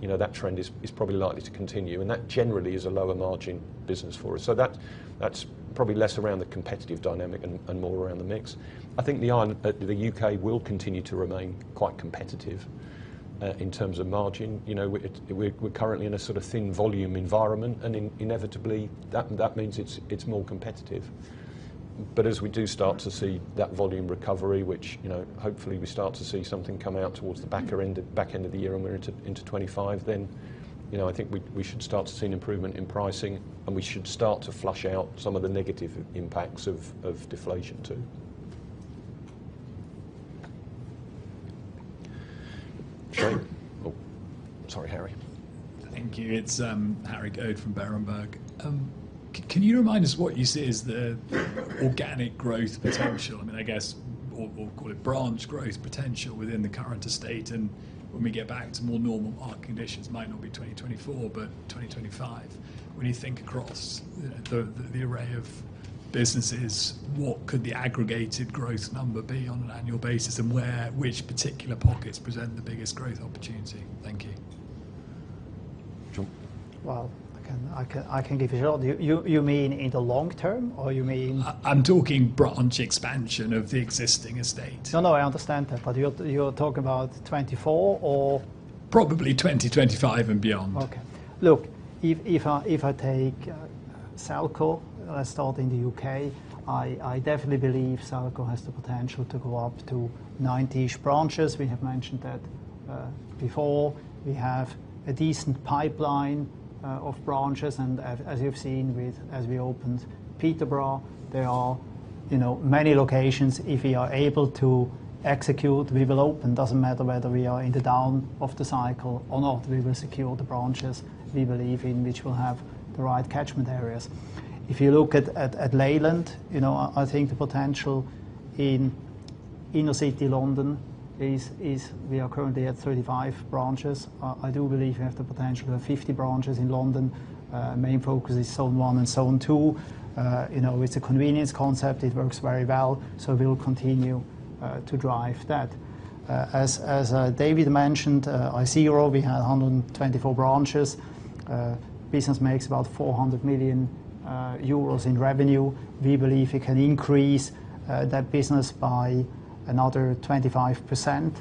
[SPEAKER 2] You know, that trend is probably likely to continue, and that generally is a lower margin business for us. So that's probably less around the competitive dynamic and more around the mix. I think the U.K. will continue to remain quite competitive in terms of margin. You know, we're currently in a sort of thin volume environment, and inevitably, that means it's more competitive. But as we do start to see that volume recovery, which, you know, hopefully we start to see something come out towards the back end of the year when we're into 2025, then, you know, I think we should start to see an improvement in pricing, and we should start to flush out some of the negative impacts of deflation, too. Sure. Oh, sorry, Harry.
[SPEAKER 6] Thank you. It's Harry Goad from Berenberg. Can you remind us what you see as the organic growth potential? I mean, I guess, or call it branch growth potential within the current estate and when we get back to more normal market conditions, might not be 2024, but 2025. When you think across the array of businesses, what could the aggregated growth number be on an annual basis, and where, which particular pockets present the biggest growth opportunity? Thank you.
[SPEAKER 2] Eric?
[SPEAKER 1] Well, I can give you... You mean in the long term, or you mean-
[SPEAKER 6] I'm talking branch expansion of the existing estate.
[SPEAKER 1] No, no, I understand that, but you're, you're talking about 2024 or?
[SPEAKER 6] Probably 2025 and beyond.
[SPEAKER 1] Okay. Look, if I take Selco, let's start in the U.K., I definitely believe Selco has the potential to go up to 90-ish branches. We have mentioned that before. We have a decent pipeline of branches, and as you've seen with as we opened Peterborough, there are, you know, many locations. If we are able to execute, we will open. Doesn't matter whether we are in the down of the cycle or not, we will secure the branches we believe in, which will have the right catchment areas. If you look at Leyland, you know, I think the potential in inner city London is we are currently at 35 branches. I do believe we have the potential of 50 branches in London. Main focus is Zone 1 and Zone 2. You know, it's a convenience concept. It works very well, so we will continue to drive that. As David mentioned, Isero, we had 124 branches. Business makes about 400 million euros in revenue. We believe we can increase that business by another 25%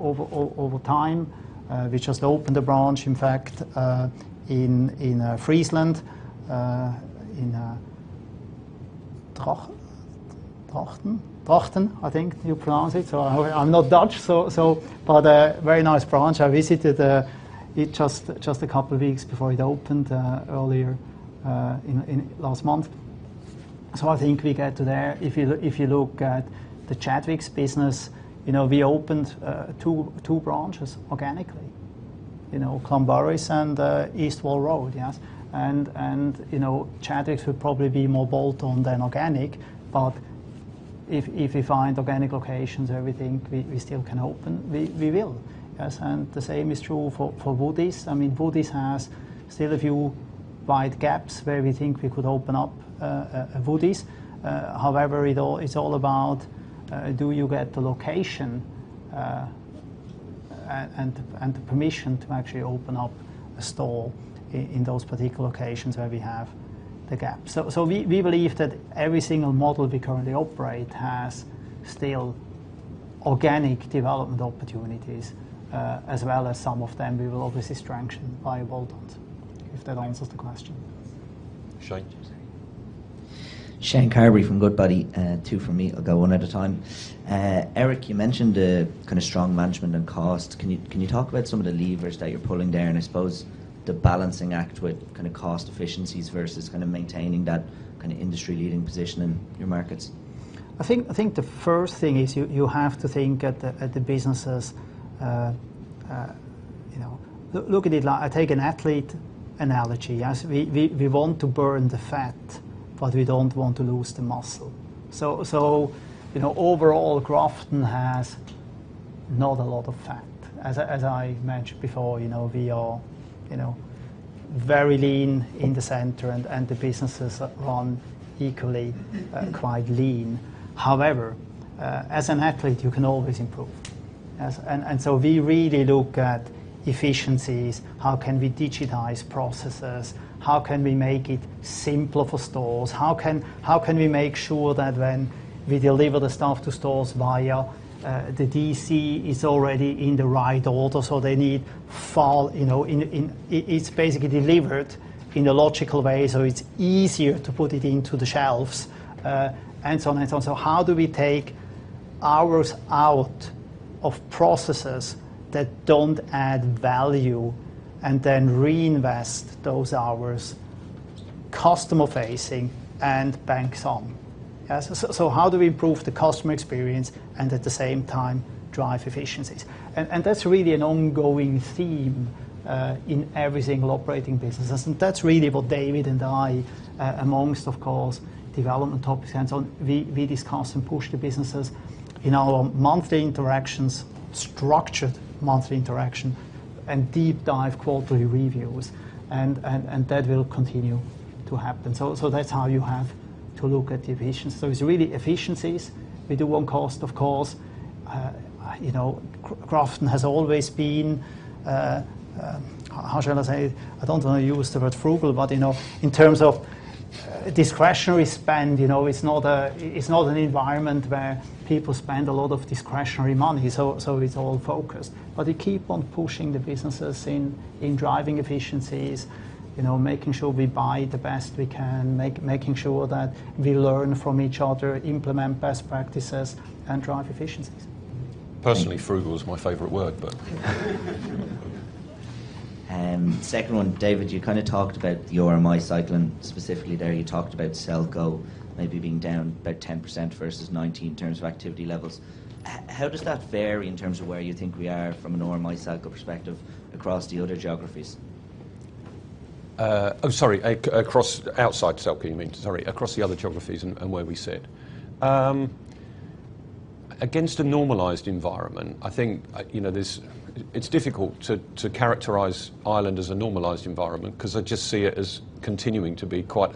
[SPEAKER 1] over time. We just opened a branch, in fact, in Friesland, in Drachten, Drachten, I think you pronounce it. So I'm not Dutch, so but a very nice branch. I visited it just a couple of weeks before it opened earlier in last month. So I think we get to there. If you look at the Chadwicks business, you know, we opened two branches organically. You know, Clondalkin and East Wall Road, yes? And, you know, Chadwicks would probably be more bolt-on than organic, but if we find organic locations where we think we still can open, we will. Yes, and the same is true for Woodie's. I mean, Woodie's has still a few wide gaps where we think we could open up a Woodie's. However, it's all about do you get the location and the permission to actually open up a store in those particular locations where we have the gap? So we believe that every single model we currently operate has still organic development opportunities, as well as some of them we will obviously strengthen by bolt-ons, if that answers the question.
[SPEAKER 2] Shane?
[SPEAKER 7] Shane Carberry from Goodbody. Two from me. I'll go one at a time. Eric, you mentioned the kind of strong management and cost. Can you talk about some of the levers that you're pulling there, and I suppose the balancing act with kind of cost efficiencies versus kind of maintaining that kind of industry leading position in your markets?
[SPEAKER 1] I think the first thing is you have to think at the businesses. You know, look at it like—I take an athlete analogy, yes. We want to burn the fat, but we don't want to lose the muscle. So you know, overall, Grafton has not a lot of fat. As I mentioned before, you know, we are you know, very lean in the center and the businesses run equally quite lean. However, as an athlete, you can always improve. Yes. And so we really look at efficiencies, how can we digitize processes? How can we make it simpler for stores? How can, how can we make sure that when we deliver the stuff to stores via the DC, it's already in the right order, so they don't fall. It's basically delivered in a logical way, so it's easier to put it into the shelves and so on and so on. So how do we take hours out of processes that don't add value, and then reinvest those hours customer-facing and back on? Yes, so, so how do we improve the customer experience and at the same time drive efficiencies? And, and that's really an ongoing theme in every single operating businesses. And that's really what David and I, among, of course, development topics, and so we discuss and push the businesses in our monthly interactions, structured monthly interaction and deep dive quarterly reviews, and that will continue to happen. So that's how you have to look at the efficiency. So it's really efficiencies. We do want cost, of course. You know, Grafton has always been... How shall I say? I don't want to use the word frugal, but, you know, in terms of discretionary spend, you know, it's not an environment where people spend a lot of discretionary money, so it's all focused. But we keep on pushing the businesses in driving efficiencies, you know, making sure we buy the best we can, making sure that we learn from each other, implement best practices, and drive efficiencies.
[SPEAKER 2] Personally, frugal is my favorite word, but...
[SPEAKER 7] Second one, David, you kind of talked about the RMI cycle, and specifically there, you talked about Selco maybe being down about 10% versus 2019 in terms of activity levels. How does that vary in terms of where you think we are from an RMI cycle perspective across the other geographies?
[SPEAKER 2] Oh, sorry, across outside Selco, you mean? Sorry, across the other geographies and where we sit. Against a normalized environment, I think, you know, there's... It's difficult to characterize Ireland as a normalized environment, 'cause I just see it as continuing to be quite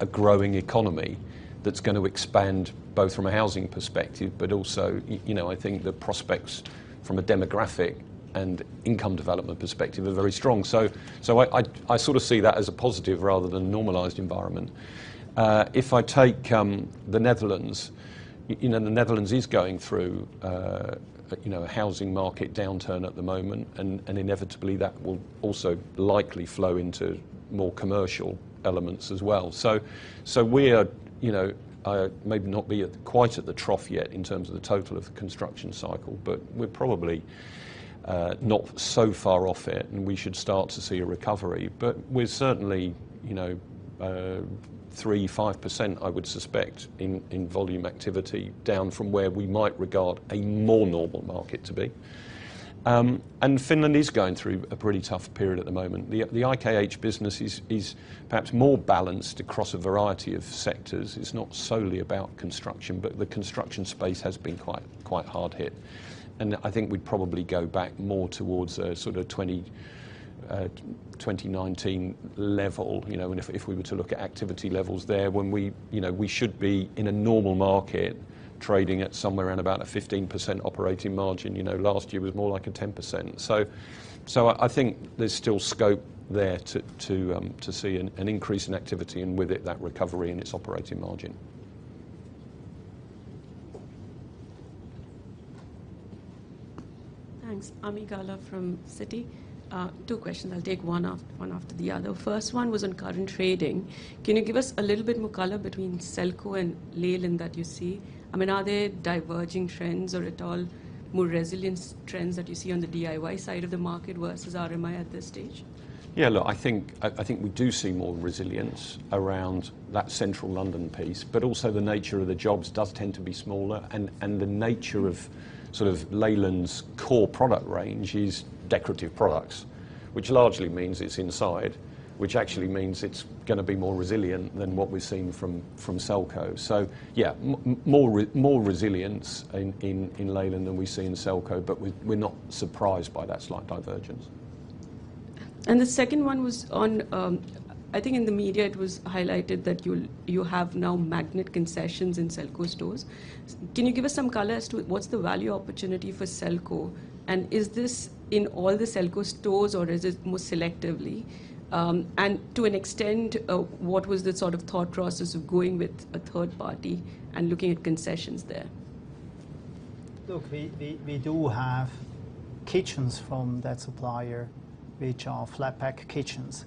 [SPEAKER 2] a growing economy that's going to expand both from a housing perspective, but also, you know, I think the prospects from a demographic and income development perspective are very strong. So, I sort of see that as a positive rather than a normalized environment. If I take the Netherlands, you know, the Netherlands is going through, you know, a housing market downturn at the moment, and inevitably, that will also likely flow into more commercial elements as well. So we are, you know, maybe not be at quite at the trough yet in terms of the total of the construction cycle, but we're probably not so far off it, and we should start to see a recovery. But we're certainly, you know, 3%-5%, I would suspect, in volume activity, down from where we might regard a more normal market to be. And Finland is going through a pretty tough period at the moment. The IKH business is perhaps more balanced across a variety of sectors. It's not solely about construction, but the construction space has been quite, quite hard hit, and I think we'd probably go back more towards a sort of 20, 2019 level, you know, and if, if we were to look at activity levels there, when we, you know, we should be, in a normal market, trading at somewhere around about a 15% operating margin. You know, last year was more like a 10%. So, so I think there's still scope there to, to, to see an, an increase in activity, and with it, that recovery in its operating margin.
[SPEAKER 8] Thanks. Ami Galla from Citi. Two questions. I'll take one off, one after the other. First one was on current trading. Can you give us a little bit more color between Selco and Leyland that you see? I mean, are there diverging trends or at all more resilience trends that you see on the DIY side of the market versus RMI at this stage?
[SPEAKER 2] Yeah, look, I think we do see more resilience around that central London piece, but also the nature of the jobs does tend to be smaller, and the nature of sort of Leyland's core product range is decorative products, which largely means it's inside, which actually means it's gonna be more resilient than what we're seeing from Selco. So yeah, more resilience in Leyland than we see in Selco, but we're not surprised by that slight divergence.
[SPEAKER 8] The second one was on, I think in the media it was highlighted that you have now Magnet concessions in Selco stores. Can you give us some color as to what's the value opportunity for Selco, and is this in all the Selco stores or is it more selectively? And to an extent, what was the sort of thought process of going with a third party and looking at concessions there?
[SPEAKER 1] Look, we do have kitchens from that supplier, which are flat-pack kitchens,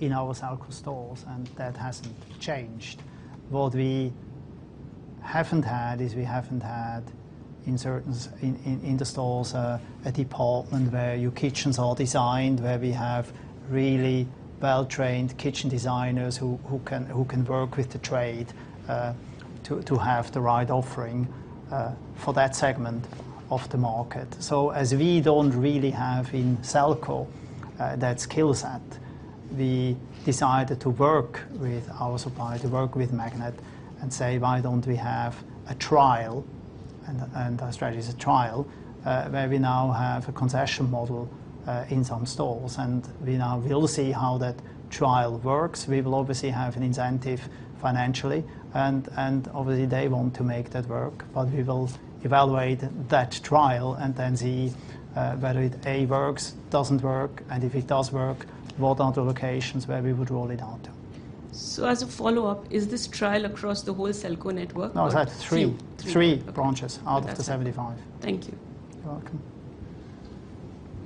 [SPEAKER 1] in our Selco stores, and that hasn't changed. What we haven't had is we haven't had in certain stores a department where your kitchens are designed, where we have really well-trained kitchen designers who can work with the trade to have the right offering for that segment of the market. So as we don't really have in Selco that skill set, we decided to work with our supplier, to work with Magnet and say: "Why don't we have a trial?" And our strategy is a trial where we now have a concession model in some stores, and we'll see how that trial works. We will obviously have an incentive financially, and obviously they want to make that work, but we will evaluate that trial and then see whether it, A, works, doesn't work, and if it does work, what are the locations where we would roll it out?
[SPEAKER 8] As a follow-up, is this trial across the whole Selco network?
[SPEAKER 1] No, it's at 3-
[SPEAKER 8] Three.
[SPEAKER 1] 3 branches out of the 75.
[SPEAKER 8] Thank you.
[SPEAKER 1] You're welcome.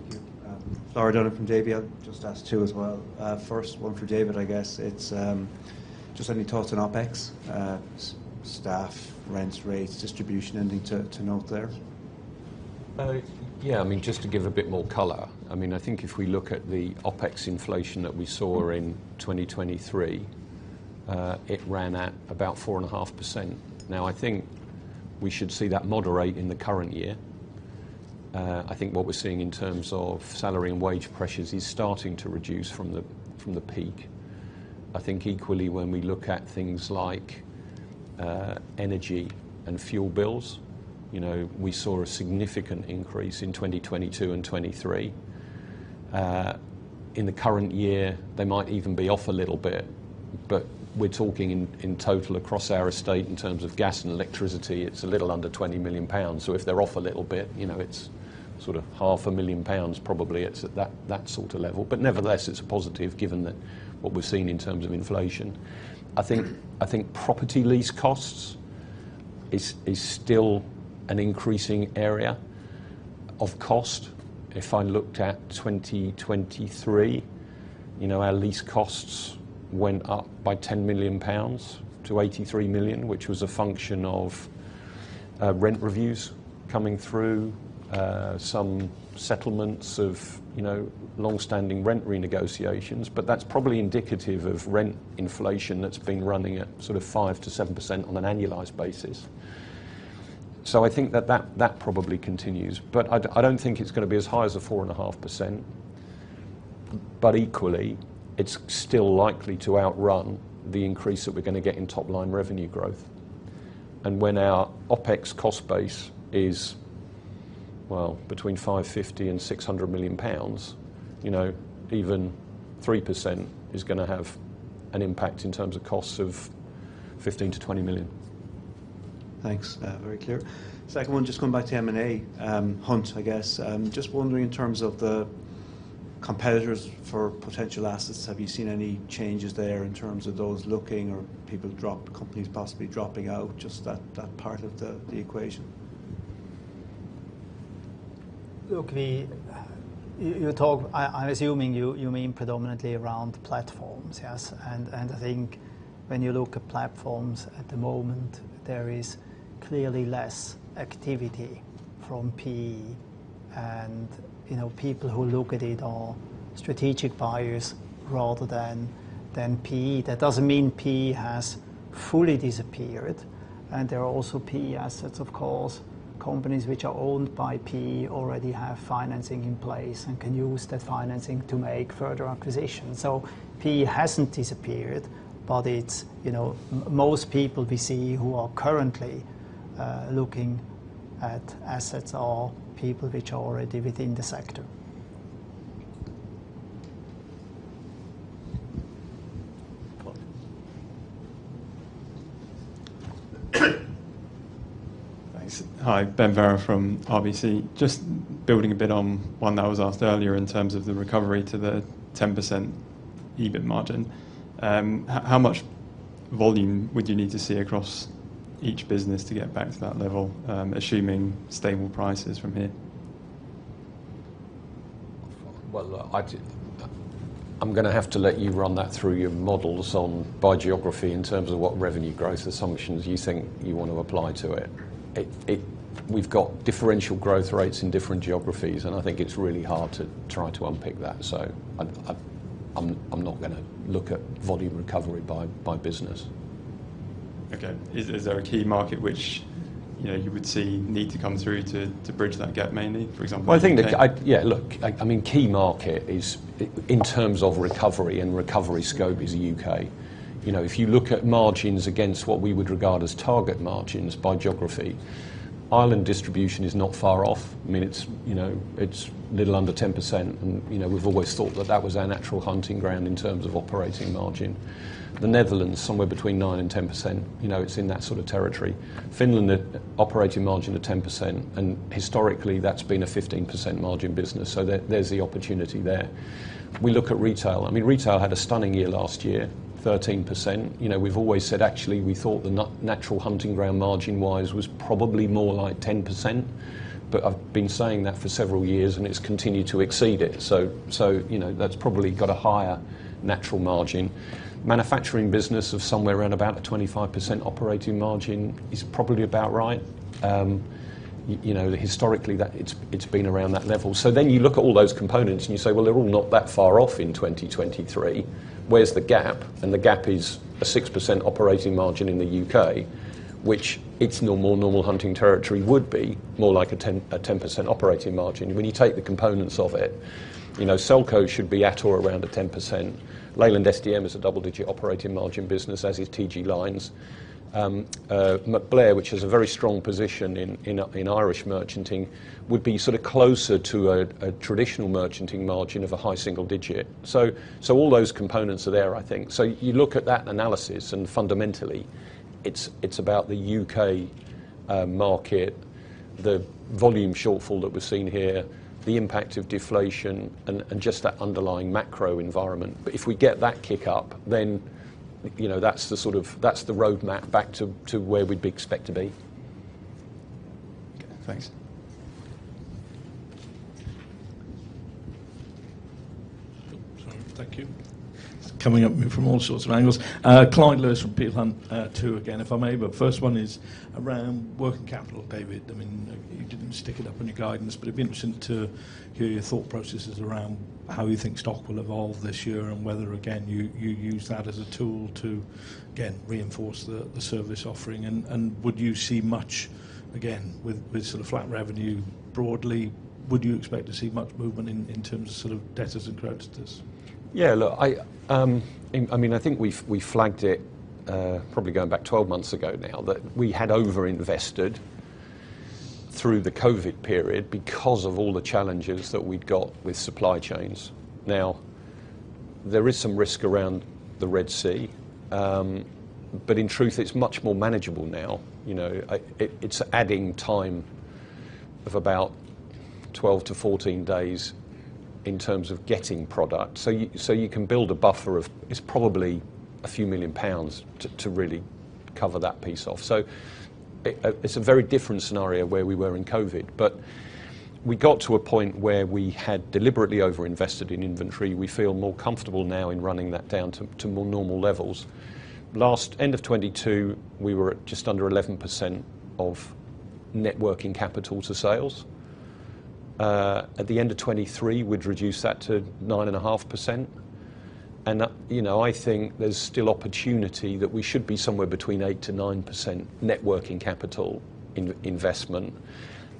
[SPEAKER 9] Thank you. Flor O’Donoghue from Davy, I'll just ask two as well. First one for David, I guess it's just any thoughts on OpEx, staff, rents, rates, distribution, anything to note there?
[SPEAKER 2] Yeah, I mean, just to give a bit more color, I mean, I think if we look at the OpEx inflation that we saw in 2023, it ran at about 4.5%. Now, I think we should see that moderate in the current year. I think what we're seeing in terms of salary and wage pressures is starting to reduce from the peak. I think equally, when we look at things like, energy and fuel bills, you know, we saw a significant increase in 2022 and 2023. In the current year, they might even be off a little bit, but we're talking in total across our estate, in terms of gas and electricity, it's a little under 20 million pounds. So if they're off a little bit, you know, it's sort of 500,000 pounds, probably. It's at that, that sort of level. But nevertheless, it's a positive given that what we've seen in terms of inflation. I think, I think property lease costs is, is still an increasing area of cost. If I looked at 2023, you know, our lease costs went up by 10 million-83 million pounds, which was a function of, rent reviews coming through, some settlements of, you know, long-standing rent renegotiations, but that's probably indicative of rent inflation that's been running at sort of 5%-7% on an annualized basis. So I think that, that probably continues, but I, I don't think it's going to be as high as a 4.5%. But equally, it's still likely to outrun the increase that we're going to get in top line revenue growth. And when our OpEx cost base is, well, between 550 million and 600 million pounds, you know, even 3% is going to have an impact in terms of costs of 15 million-20 million.
[SPEAKER 9] Thanks. Very clear. Second one, just coming back to M&A, hunt, I guess. Just wondering, in terms of the competitors for potential assets, have you seen any changes there in terms of those looking or companies possibly dropping out, just that part of the equation?
[SPEAKER 1] Look, you talk, I'm assuming you mean predominantly around platforms, yes? And I think when you look at platforms at the moment, there is clearly less activity from PE and, you know, people who look at it are strategic buyers rather than PE. That doesn't mean PE has fully disappeared, and there are also PE assets, of course, companies which are owned by PE already have financing in place and can use that financing to make further acquisitions. So PE hasn't disappeared, but it's, you know, most people we see who are currently looking at assets are people which are already within the sector.
[SPEAKER 2] Paul.
[SPEAKER 10] Thanks. Hi, Ben Varrow from RBC. Just building a bit on one that was asked earlier in terms of the recovery to the 10% EBIT margin. How much volume would you need to see across each business to get back to that level, assuming stable prices from here?
[SPEAKER 2] Well, I'm going to have to let you run that through your models on by geography in terms of what revenue growth assumptions you think you want to apply to it. We've got differential growth rates in different geographies, and I think it's really hard to try to unpick that, so I'm not going to look at volume recovery by business. ...
[SPEAKER 10] Okay. Is there a key market which, you know, you would see need to come through to bridge that gap mainly, for example, the U.K.?
[SPEAKER 2] Yeah, look, I mean, key market is, in terms of recovery and recovery scope, is U.K. You know, if you look at margins against what we would regard as target margins by geography, Ireland distribution is not far off. I mean, it's, you know, it's a little under 10%, and, you know, we've always thought that that was our natural hunting ground in terms of operating margin. The Netherlands, somewhere between 9% and 10%, you know, it's in that sort of territory. Finland, operating margin of 10%, and historically, that's been a 15% margin business, so there, there's the opportunity there. We look at retail. I mean, retail had a stunning year last year, 13%. You know, we've always said, actually, we thought the natural hunting ground, margin-wise, was probably more like 10%, but I've been saying that for several years, and it's continued to exceed it, so, you know, that's probably got a higher natural margin. Manufacturing business of somewhere around about a 25% operating margin is probably about right. You know, historically, that, it's been around that level. So then you look at all those components, and you say, "Well, they're all not that far off in 2023. Where's the gap?" And the gap is a 6% operating margin in the U.K., which its normal, normal hunting territory would be more like a 10, a 10% operating margin. When you take the components of it, you know, Selco should be at or around a 10%. Leyland SDM is a double-digit operating margin business, as is TG Lynes. MacBlair, which has a very strong position in up in Northern Irish merchanting, would be sort of closer to a traditional merchanting margin of a high single digit. So all those components are there, I think. So you look at that analysis, and fundamentally, it's about the U.K. market, the volume shortfall that we're seeing here, the impact of deflation, and just that underlying macro environment. But if we get that kick-up, then, you know, that's the sort of... That's the roadmap back to, to where we'd be expect to be.
[SPEAKER 10] Okay, thanks.
[SPEAKER 11] Sorry, thank you. Coming up from all sorts of angles. Clyde Lewis from Peel Hunt. Two again, if I may, but first one is around working capital, David. I mean, you didn't stick it up on your guidance, but it'd be interesting to hear your thought processes around how you think stock will evolve this year and whether, again, you use that as a tool to, again, reinforce the service offering. And, and would you see much, again, with sort of flat revenue broadly, would you expect to see much movement in terms of sort of debtors and creditors?
[SPEAKER 2] Yeah, look, I mean, I think we've flagged it, probably going back 12 months ago now, that we had overinvested through the COVID period because of all the challenges that we'd got with supply chains. Now, there is some risk around the Red Sea, but in truth, it's much more manageable now, you know. It's adding time of about 12-14 days in terms of getting product. So you can build a buffer of... It's probably a few million GBP to really cover that piece off. So it's a very different scenario where we were in COVID, but we got to a point where we had deliberately overinvested in inventory. We feel more comfortable now in running that down to more normal levels. the end of 2022, we were at just under 11% of net working capital to sales. At the end of 2023, we'd reduced that to 9.5%, and that, you know, I think there's still opportunity, that we should be somewhere between 8%-9% net working capital investment.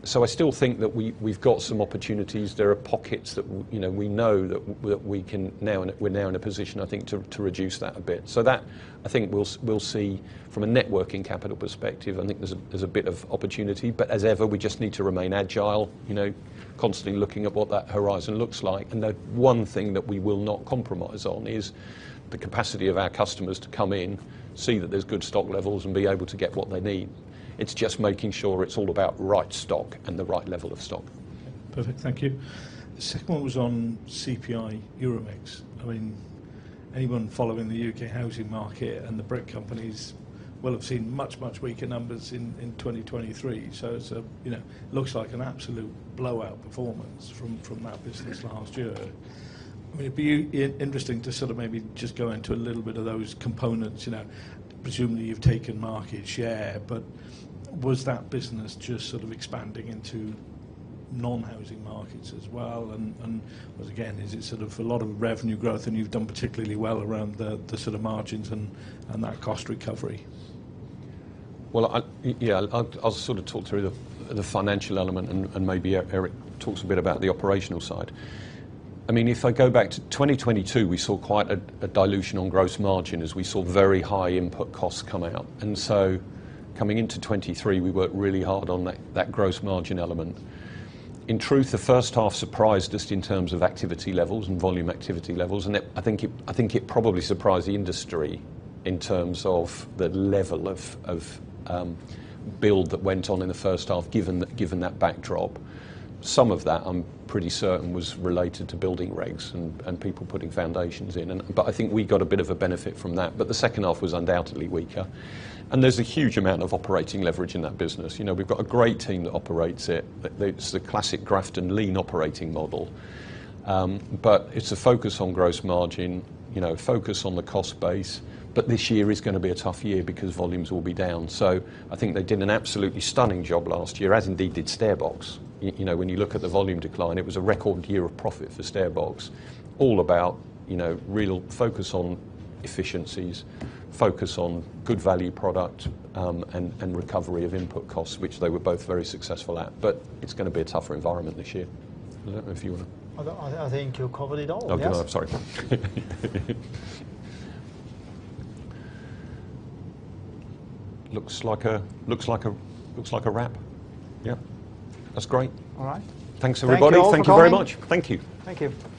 [SPEAKER 2] So I still think that we, we've got some opportunities. There are pockets that, you know, we know that that we can now... We're now in a position, I think, to, to reduce that a bit. So that, I think we'll, we'll see from a net working capital perspective, I think there's a, there's a bit of opportunity, but as ever, we just need to remain agile, you know, constantly looking at what that horizon looks like. The one thing that we will not compromise on is the capacity of our customers to come in, see that there's good stock levels, and be able to get what they need. It's just making sure it's all about right stock and the right level of stock.
[SPEAKER 11] Perfect. Thank you. The second one was on CPI EuroMix. I mean, anyone following the U.K. housing market and the brick companies will have seen much, much weaker numbers in 2023. So it's a, you know, looks like an absolute blowout performance from that business last year. I mean, it'd be interesting to sort of maybe just go into a little bit of those components. You know, presumably, you've taken market share, but was that business just sort of expanding into non-housing markets as well? And once again, is it sort of a lot of revenue growth, and you've done particularly well around the sort of margins and that cost recovery?
[SPEAKER 2] Well, yeah, I'll sort of talk through the financial element, and maybe Eric talks a bit about the operational side. I mean, if I go back to 2022, we saw quite a dilution on gross margin as we saw very high input costs come out. And so coming into 2023, we worked really hard on that gross margin element. In truth, the first half surprised us in terms of activity levels and volume activity levels, and I think it probably surprised the industry in terms of the level of build that went on in the first half, given that backdrop. Some of that, I'm pretty certain, was related to building regs and people putting foundations in and... But I think we got a bit of a benefit from that, but the second half was undoubtedly weaker, and there's a huge amount of operating leverage in that business. You know, we've got a great team that operates it. It's the classic Grafton Lean operating model. But it's a focus on gross margin, you know, focus on the cost base. But this year is gonna be a tough year because volumes will be down. So I think they did an absolutely stunning job last year, as indeed did StairBox. You know, when you look at the volume decline, it was a record year of profit for StairBox. All about, you know, real focus on efficiencies, focus on good value product, and recovery of input costs, which they were both very successful at, but it's gonna be a tougher environment this year. I don't know if you wanna-
[SPEAKER 1] I think you covered it all, yes.
[SPEAKER 2] Okay, I'm sorry. Looks like a wrap. Yeah. That's great.
[SPEAKER 1] All right.
[SPEAKER 2] Thanks, everybody.
[SPEAKER 1] Thank you all for coming.
[SPEAKER 2] Thank you very much. Thank you.
[SPEAKER 1] Thank you.